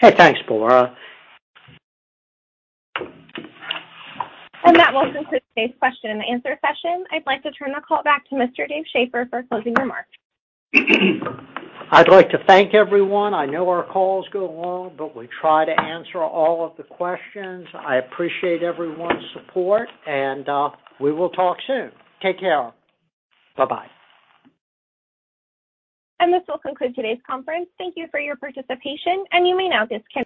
Hey, thanks, Bora. That will conclude today's question and answer session. I'd like to turn the call back to Mr. Dave Schaeffer for closing remarks. I'd like to thank everyone. I know our calls go long, but we try to answer all of the questions. I appreciate everyone's support, and we will talk soon. Take care. Bye-bye. This will conclude today's conference. Thank you for your participation, and you may now disconnect.